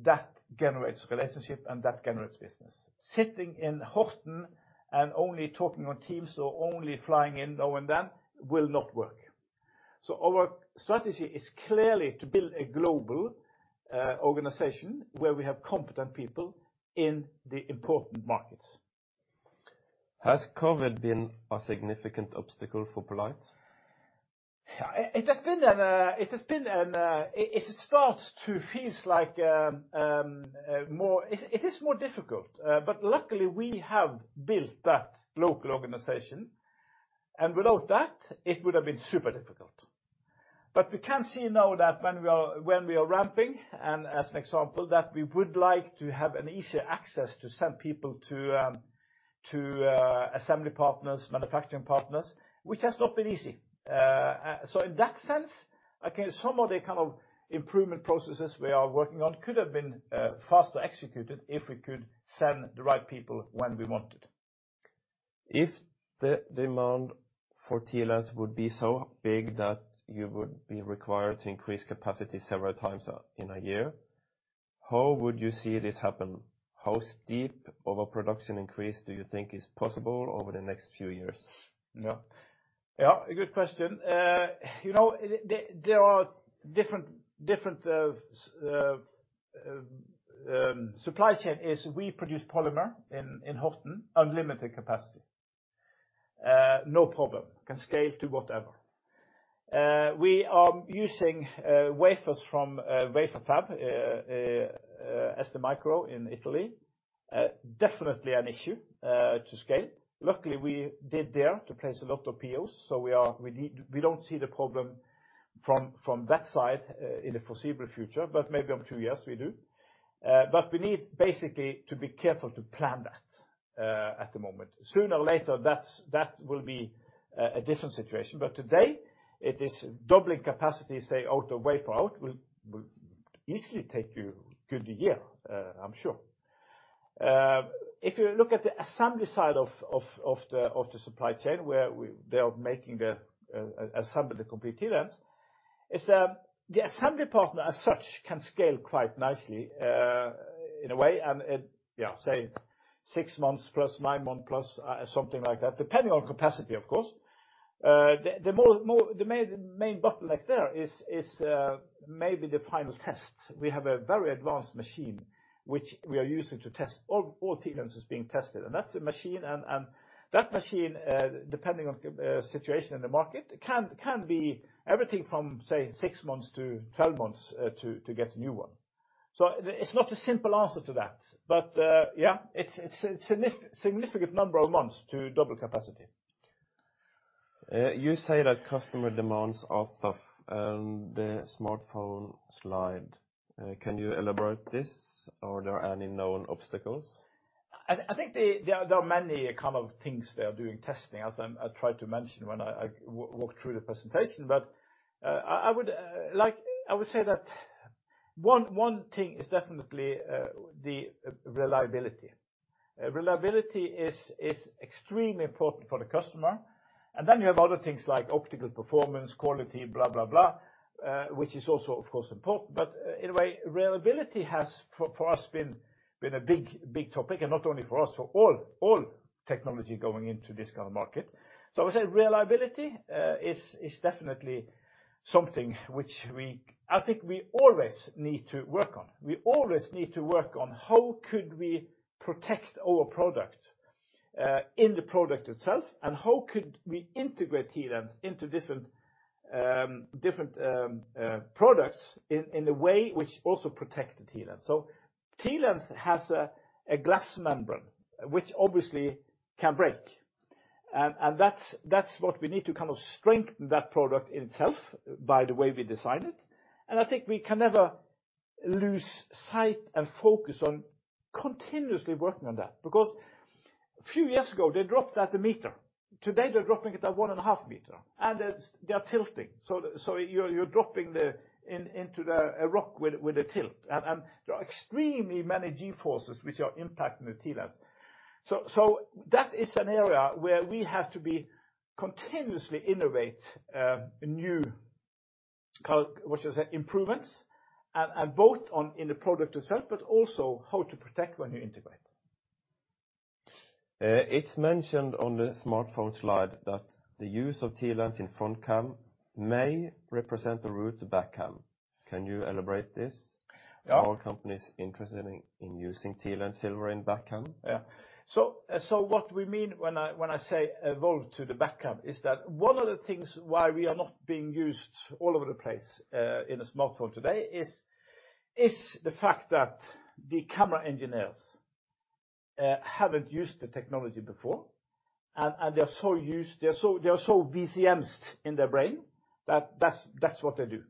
that generates relationship and that generates business. Sitting in Horten and only talking on Teams or only flying in now and then will not work. Our strategy is clearly to build a global organization where we have competent people in the important markets. Has COVID been a significant obstacle for poLight? It starts to feel like it is more difficult. Luckily, we have built that local organization, and without that, it would have been super difficult. We can see now that when we are ramping, and as an example, that we would like to have an easier access to send people to assembly partners, manufacturing partners, which has not been easy. In that sense, again, some of the kind of improvement processes we are working on could have been faster executed if we could send the right people when we wanted. If the demand for TLens would be so big that you would be required to increase capacity several times in a year, how would you see this happen? How steep of a production increase do you think is possible over the next few years? Yeah. Yeah, a good question. You know, there are different supply chains. We produce polymer in Horten, unlimited capacity. No problem. Can scale to whatever. We are using wafers from wafer fab STMicro in Italy. Definitely an issue to scale. Luckily, we placed a lot of POs there. We don't see the problem from that side in the foreseeable future, but maybe in two years we do. We need basically to be careful to plan that at the moment. Sooner or later, that will be a different situation. Today, it is doubling capacity, say, out of wafer fab, will easily take you a good year, I'm sure. If you look at the assembly side of the supply chain, where they are making the complete TLens, the assembly partner as such can scale quite nicely in a way. It can scale, say, six months plus, nine months plus, something like that, depending on capacity, of course. The main bottleneck there is maybe the final test. We have a very advanced machine which we are using to test all TLens, and all TLens are being tested, and that's a machine. That machine, depending on the situation in the market, can be everything from, say, six months to 12 months to get a new one. It's not a simple answer to that. Yeah, it's a significant number of months to double capacity. You say that customer demands are tough on the smartphone slide. Can you elaborate this? Are there any known obstacles? I think there are many kinds of things they are doing testing, as I tried to mention when I walked through the presentation. I would say that one thing is definitely the reliability. Reliability is extremely important for the customer. Then you have other things like optical performance, quality, blah, blah, which is also, of course, important. In a way, reliability has for us been a big topic, and not only for us, for all technology going into this kind of market. I would say reliability is definitely something which we think we always need to work on. We always need to work on how could we protect our product in the product itself, and how could we integrate TLens into different products in a way which also protect the TLens. TLens has a glass membrane, which obviously can break. That's what we need to kind of strengthen that product in itself by the way we design it. I think we can never lose sight and focus on continuously working on that, because a few years ago, they dropped at 1 m. Today, they're dropping it at 1.5 m, and they are tilting. You're dropping it into a rock with a tilt. There are extremely many g-forces which are impacting the TLens. That is an area where we have to be continuously innovating improvements, and both in the product itself, but also how to protect when you integrate. It's mentioned on the smartphone slide that the use of TLens in front cam may represent the route to back cam. Can you elaborate this? Yeah. Are companies interested in using TLens silver in back cam? Yeah. What we mean when I say evolve to the back cam is that one of the things why we are not being used all over the place in a smartphone today is the fact that the camera engineers haven't used the technology before, and they're so used to VCMs in their brain that that's what they do,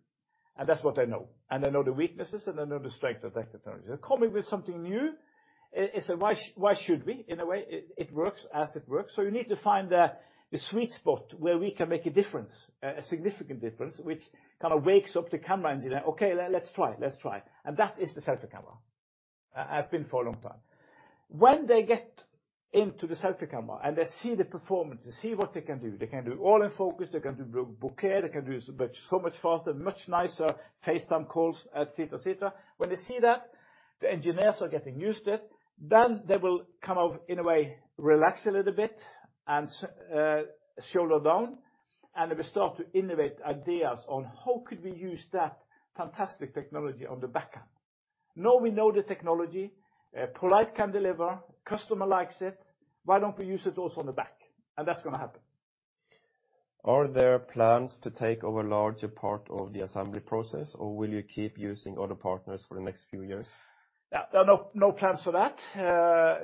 and that's what they know, and they know the weaknesses, and they know the strength of that technology. They come to me with something new and say, "Why should we?" In a way it works as it works. You need to find the sweet spot where we can make a difference, a significant difference, which kind of wakes up the camera engineer. "Okay, let's try." That is the selfie camera. Has been for a long time. When they get into the selfie camera, and they see the performance, they see what they can do. They can do all in focus, they can do bokeh, they can do so much faster, much nicer FaceTime calls, et cetera, et cetera. When they see that, the engineers are getting used to it, then they will come off in a way, relax a little bit and shoulder down, and they will start to innovate ideas on how could we use that fantastic technology on the back end. Now we know the technology, poLight can deliver, customer likes it. Why don't we use it also on the back? That's gonna happen. Are there plans to take over larger part of the assembly process, or will you keep using other partners for the next few years? Yeah. No plans for that.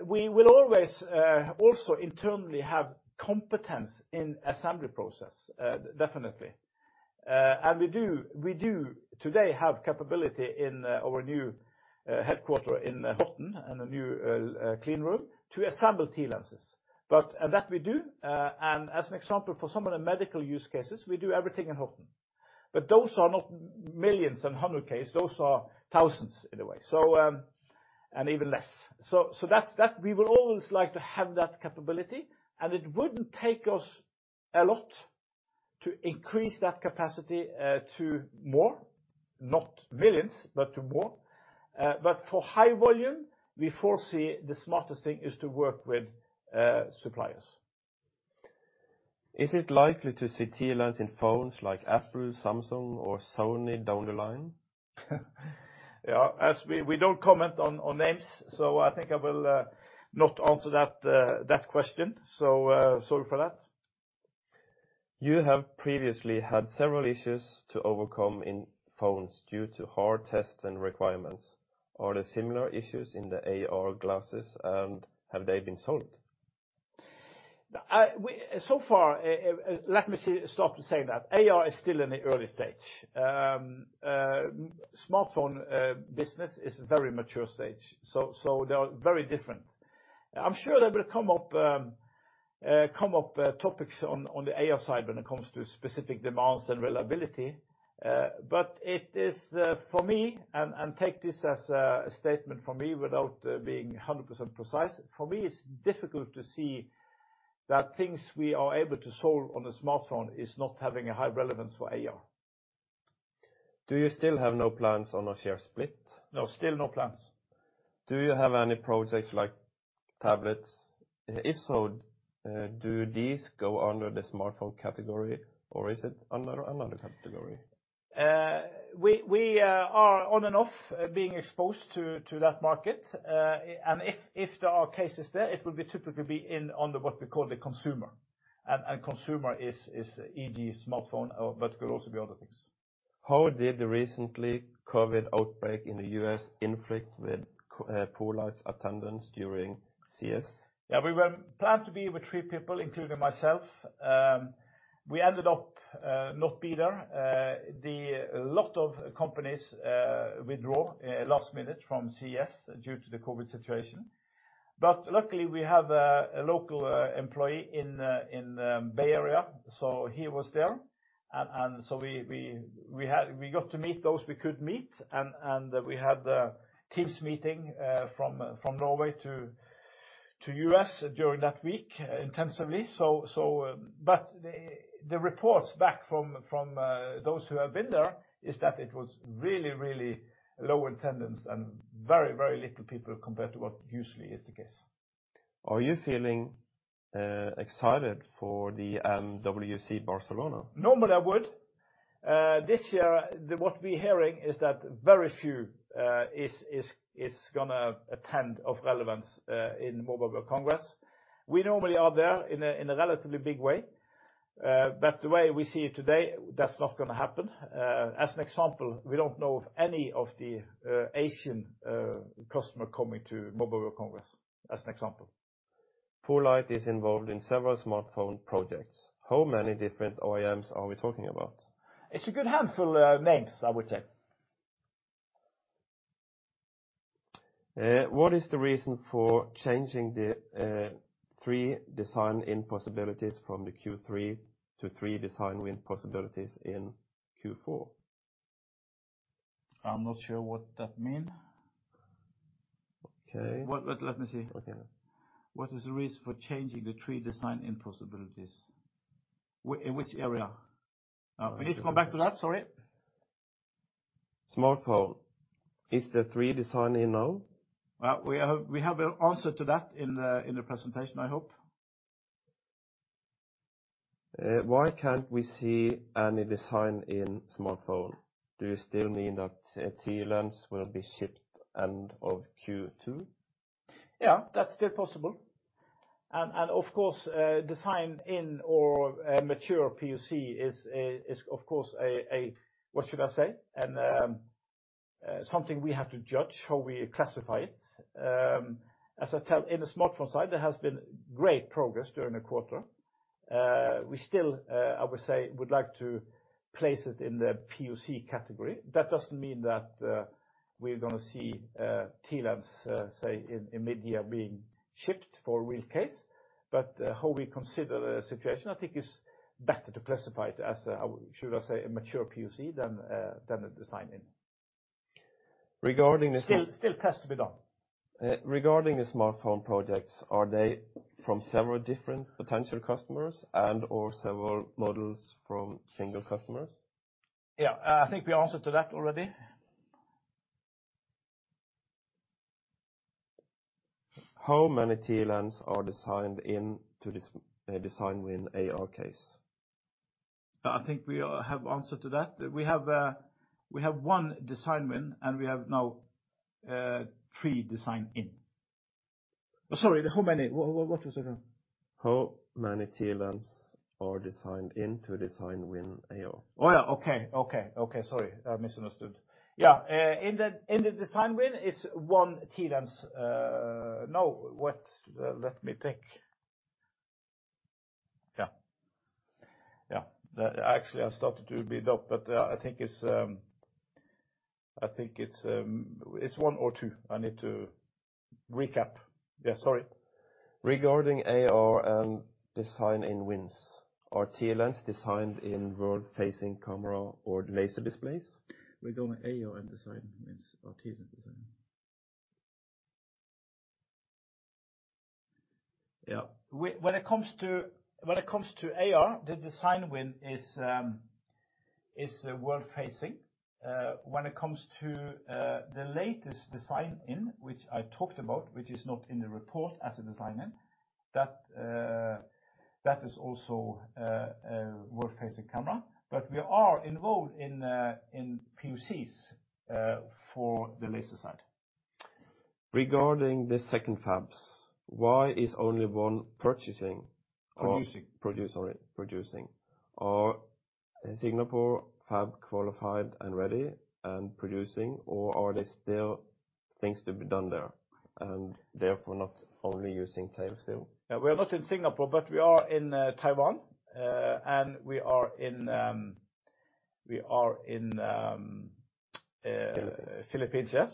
We will always also internally have competence in assembly process, definitely. We do today have capability in our new headquarters in Horten and a new clean room to assemble TLenses. That we do, and as an example for some of the medical use cases, we do everything in Horten. Those are not millions and hundred Ks. Those are thousands, in a way. Even less. That's that. We would always like to have that capability, and it wouldn't take us a lot to increase that capacity to more. Not millions, but to more. For high volume, we foresee the smartest thing is to work with suppliers. Is it likely to see TLens in phones like Apple, Samsung, or Sony down the line? Yeah. We don't comment on names, so I think I will not answer that question. Sorry for that. You have previously had several issues to overcome in phones due to hard tests and requirements. Are there similar issues in the AR glasses, and have they been solved? So far, AR is still in the early stage. Smartphone business is very mature stage. They are very different. I'm sure there will come up topics on the AR side when it comes to specific demands and reliability. It is for me, and take this as a statement from me without being 100% precise. For me, it's difficult to see that things we are able to solve on a smartphone is not having a high relevance for AR. Do you still have no plans on a share split? No, still no plans. Do you have any projects like tablets? If so, do these go under the smartphone category, or is it under another category? We are on and off being exposed to that market. If there are cases there, it would typically be in under what we call the consumer. Consumer is e.g. smartphone, but could also be other things. How did the recent COVID outbreak in the U.S. impact poLight's attendance during CES? Yeah, we were planned to be with three people, including myself. We ended up not being there. A lot of companies withdrew last minute from CES due to the COVID situation. Luckily, we had a local employee in the Bay Area. He was there. We got to meet those we could meet, and we had the Teams meeting from Norway to the U.S. during that week intensively. The reports back from those who have been there are that it was really low attendance and very few people compared to what usually is the case. Are you feeling excited for the MWC Barcelona? Normally, I would. This year, what we're hearing is that very few is gonna attend of relevance in Mobile World Congress. We normally are there in a relatively big way, but the way we see it today, that's not gonna happen. As an example, we don't know of any of the Asian customer coming to Mobile World Congress, as an example. poLight is involved in several smartphone projects. How many different OEMs are we talking about? It's a good handful, names, I would say. What is the reason for changing the three design-in possibilities from the Q3 to three design-win possibilities in Q4? I'm not sure what that means. Okay. Let me see. Okay. What is the reason for changing the three design-in possibilities? In which area? We need to come back to that. Sorry. Smartphone. Is there three design-in now? Well, we have an answer to that in the presentation, I hope. Why can't we see any design-in in smartphone? Do you still mean that TLens will be shipped end of Q2? Yeah, that's still possible. Designed in or a mature PoC is something we have to judge how we classify it. In the smartphone side, there has been great progress during the quarter. We still, I would say, would like to place it in the PoC category. That doesn't mean that we're gonna see TLens, say, in mid-year being shipped for real case. How we consider the situation, I think it's better to classify it as a mature PoC than the design-in. Regarding the Still test to be done. Regarding the smartphone projects, are they from several different potential customers and/or several models from single customers? Yeah, I think we answered to that already. How many TLens are designed in to this, design-win AR case? I think we all have answered to that. We have one design-win, and we have now three design-in. Sorry, how many? What was it? How many TLens are designed in to design-win AR? Oh, yeah. Okay, sorry, I misunderstood. Yeah, in the design-win is one TLens. No, let me think. Yeah. Actually, I started to build up, but I think it's one or two. I need to recap. Yeah, sorry. Regarding AR and design-in wins, are TLens designed-in world-facing camera or laser displays? We're going AR and design-wins are TLens design. Yeah. When it comes to AR, the design-win is world-facing. When it comes to the latest design-in which I talked about, which is not in the report as a design-in, that is also a world-facing camera. But we are involved in PoCs for the laser side. Regarding the second fabs, why is only one purchasing or- Producing. Are Singapore fab qualified and ready and producing, or are there still things to be done there, and therefore not only using Taiwan still? Yeah, we're not in Singapore, but we are in Taiwan, and we are in. Philippines. Philippines, yes.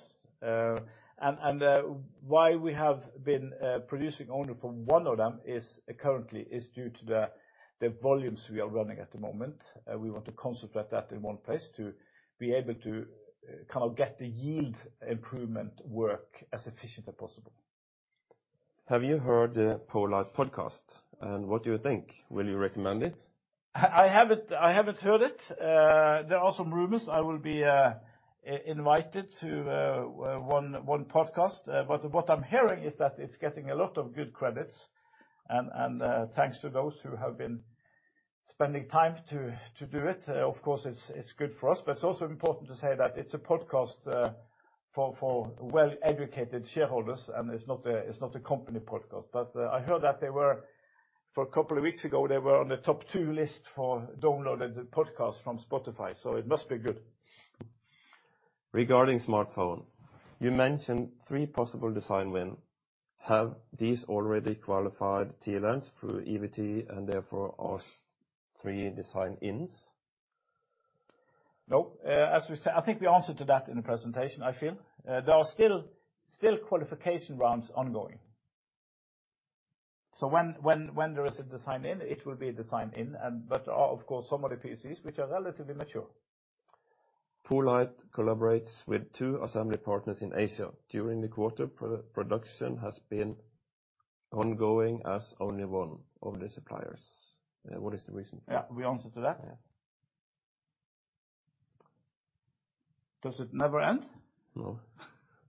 Why we have been producing only for one of them is currently due to the volumes we are running at the moment. We want to concentrate that in one place to be able to kind of get the yield improvement work as efficiently possible. Have you heard the poLight podcast, and what do you think? Will you recommend it? I haven't heard it. There are some rumors I will be invited to one podcast. What I'm hearing is that it's getting a lot of good credits, and thanks to those who have been spending time to do it, of course it's good for us, but it's also important to say that it's a podcast for well-educated shareholders and it's not a company podcast. I heard that for a couple of weeks ago they were on the top two list for downloaded podcast from Spotify, so it must be good. Regarding smartphone, you mentioned three possible design-wins. Have these already qualified TLens through EVT and therefore are three design-ins? No. As we said, I think we answered to that in the presentation, I feel. There are still qualification rounds ongoing. When there is a design-in, it will be a design-in, but there are of course some of the PoCs which are relatively mature. poLight collaborates with two assembly partners in Asia. During the quarter, pre-production has been ongoing with only one of the suppliers. What is the reason? Yeah, we answered to that. Yes. Does it never end? No.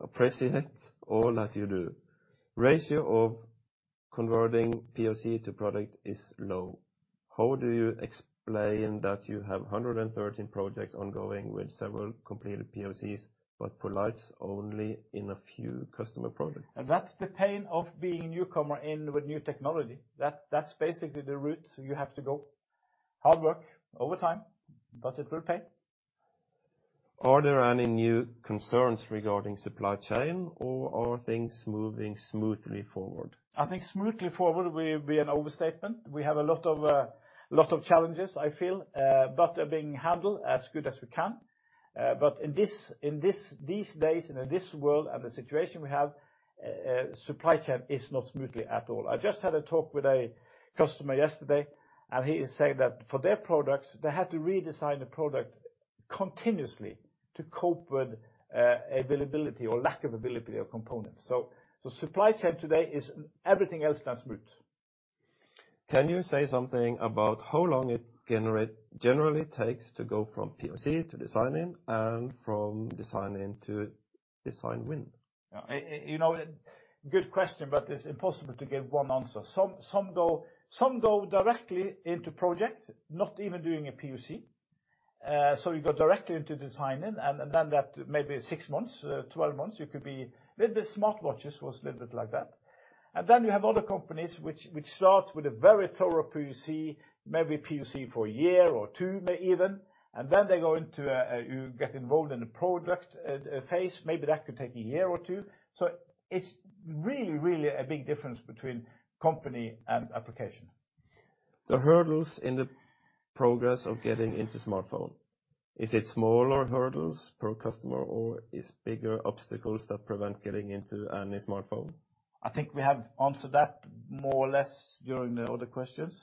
Appreciate all that you do. Ratio of converting PoC to product is low. How do you explain that you have 113 projects ongoing with several completed PoCs, but poLight's only in a few customer products? That's the pain of being a newcomer with new technology. That's basically the route you have to go. Hard work over time, but it will pay. Are there any new concerns regarding supply chain or are things moving smoothly forward? I think smoothly forward will be an overstatement. We have a lot of challenges, I feel, but they're being handled as good as we can. But in these days and in this world and the situation we have, supply chain is not smoothly at all. I just had a talk with a customer yesterday, and he is saying that for their products, they had to redesign the product continuously to cope with availability or lack of availability of components. Supply chain today is everything else than smooth. Can you say something about how long it generally takes to go from PoC to design-in and from design-in to design-win? Yeah. You know, good question, but it's impossible to give one answer. Some go directly into project, not even doing a PoC. You go directly into design-in and then that maybe six months, 12 months, you could be. With the smartwatches, it was a little bit like that. Then you have other companies which start with a very thorough PoC, maybe PoC for a year or two even, and then they go into get involved in a product phase. Maybe that could take a year or two. It's really a big difference between company and application. The hurdles in the process of getting into smartphone. Is it smaller hurdles per customer or bigger obstacles that prevent getting into any smartphone? I think we have answered that more or less during the other questions.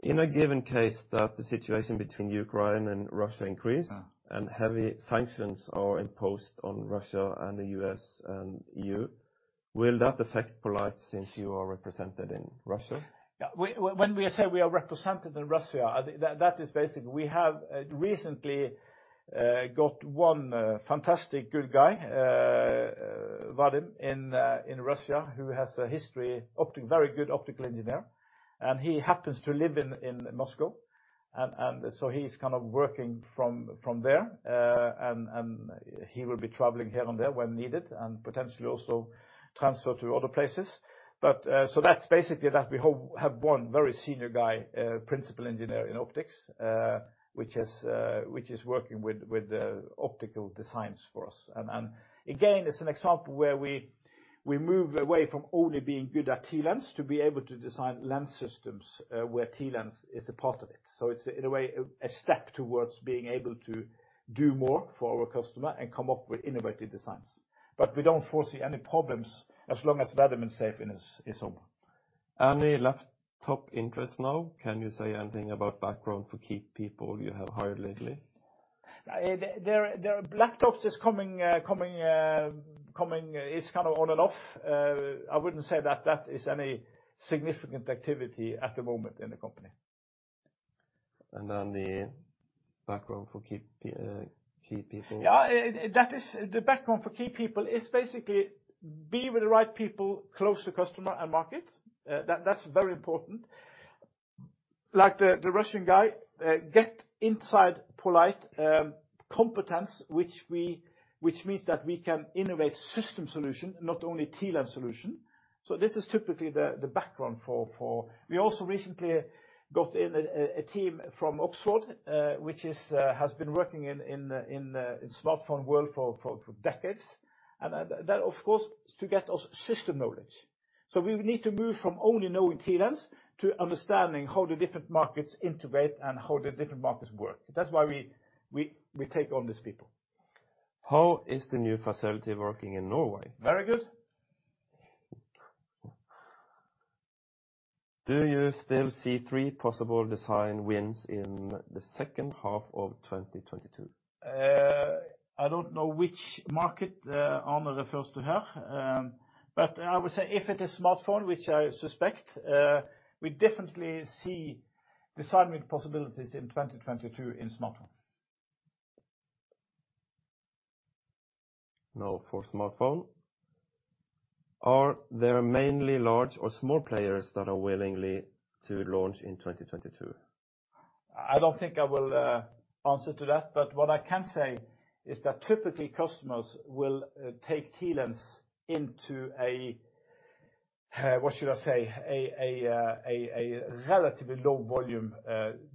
In a given case that the situation between Ukraine and Russia increases. Yeah. Heavy sanctions are imposed on Russia and the U.S. and EU, will that affect poLight since you are represented in Russia? When we say we are represented in Russia, I think that is basically it. We have recently got one fantastic good guy, Vadim, in Russia, who has a history in optics, very good optical engineer, and he happens to live in Moscow, and so he's kind of working from there. He will be traveling here and there when needed, and potentially also transfer to other places. That's basically that. We have one very senior guy, principal engineer in optics, which is working with the optical designs for us. Again, it's an example where we move away from only being good at TLens to be able to design lens systems, where TLens is a part of it. It's, in a way, a step towards being able to do more for our customer and come up with innovative designs. We don't foresee any problems as long as Vadim is safe in his home. Any laptop interest now? Can you say anything about background for key people you have hired lately? There are laptops coming. It's kind of on and off. I wouldn't say that is any significant activity at the moment in the company. The background for key people. Yeah. That's the background for key people is basically be with the right people, close to customer and market. That's very important. Like the Russian guy get inside poLight competence, which means that we can innovate system solution, not only TLens solution. This is typically the background for. We also recently got in a team from Oxford, which has been working in smartphone world for decades. That of course is to get us system knowledge. We need to move from only knowing TLens to understanding how the different markets integrate and how the different markets work. That's why we take on these people. How is the new facility working in Norway? Very good. Do you still see three possible design-wins in the second half of 2022? I don't know which market Arne refers to here. I would say if it is smartphone, which I suspect, we definitely see design-win possibilities in 2022 in smartphone. Now for smartphone. Are there mainly large or small players that are willing to launch in 2022? I don't think I will answer to that, but what I can say is that typically customers will take TLens into a relatively low volume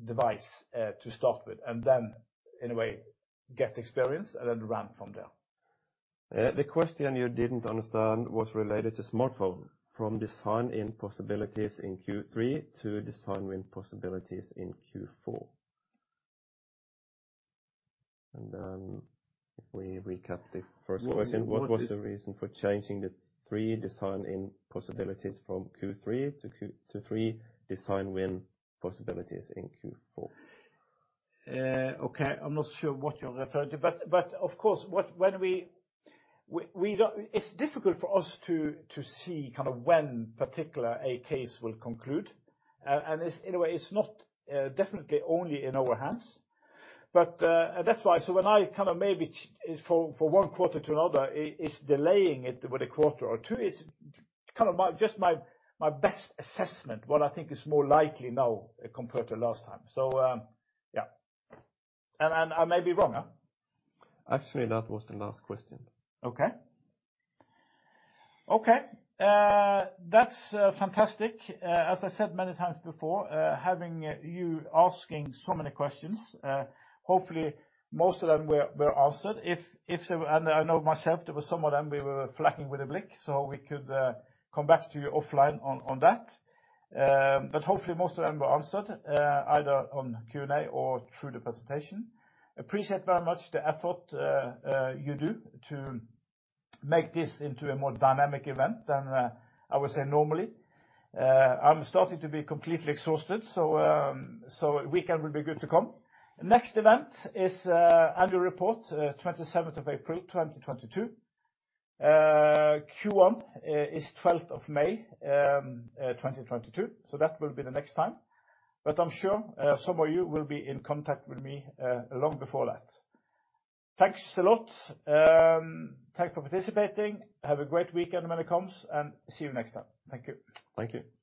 device to start with and then in a way, get experience and then run from there. The question you didn't understand was related to smartphone design-in possibilities in Q3 to design-win possibilities in Q4. Then if we recap the first question, what was the reason for changing the three design-in possibilities from Q3 to three design-win possibilities in Q4? Okay. I'm not sure what you're referring to, but of course when we don't—it's difficult for us to see kind of when a particular case will conclude. It's, in a way, not definitely only in our hands. That's why. When I kinda maybe for one quarter to another, it's delaying it with a quarter or two. It's kind of my just my best assessment, what I think is more likely now compared to last time. Yeah, and I may be wrong. Actually, that was the last question. That's fantastic. As I said many times before, having you asking so many questions, hopefully most of them were answered. I know myself, there were some of them we were lacking a bit, so we could come back to you offline on that. But hopefully most of them were answered, either on Q&A or through the presentation. I appreciate very much the effort you do to make this into a more dynamic event than I would say normally. I'm starting to be completely exhausted, so the weekend will be good to come. Next event is annual report, 27th of April 2022. Q1 is 12th of May 2022. That will be the next time. I'm sure some of you will be in contact with me long before that. Thanks a lot. Thanks for participating. Have a great weekend when it comes, and see you next time. Thank you. Thank you.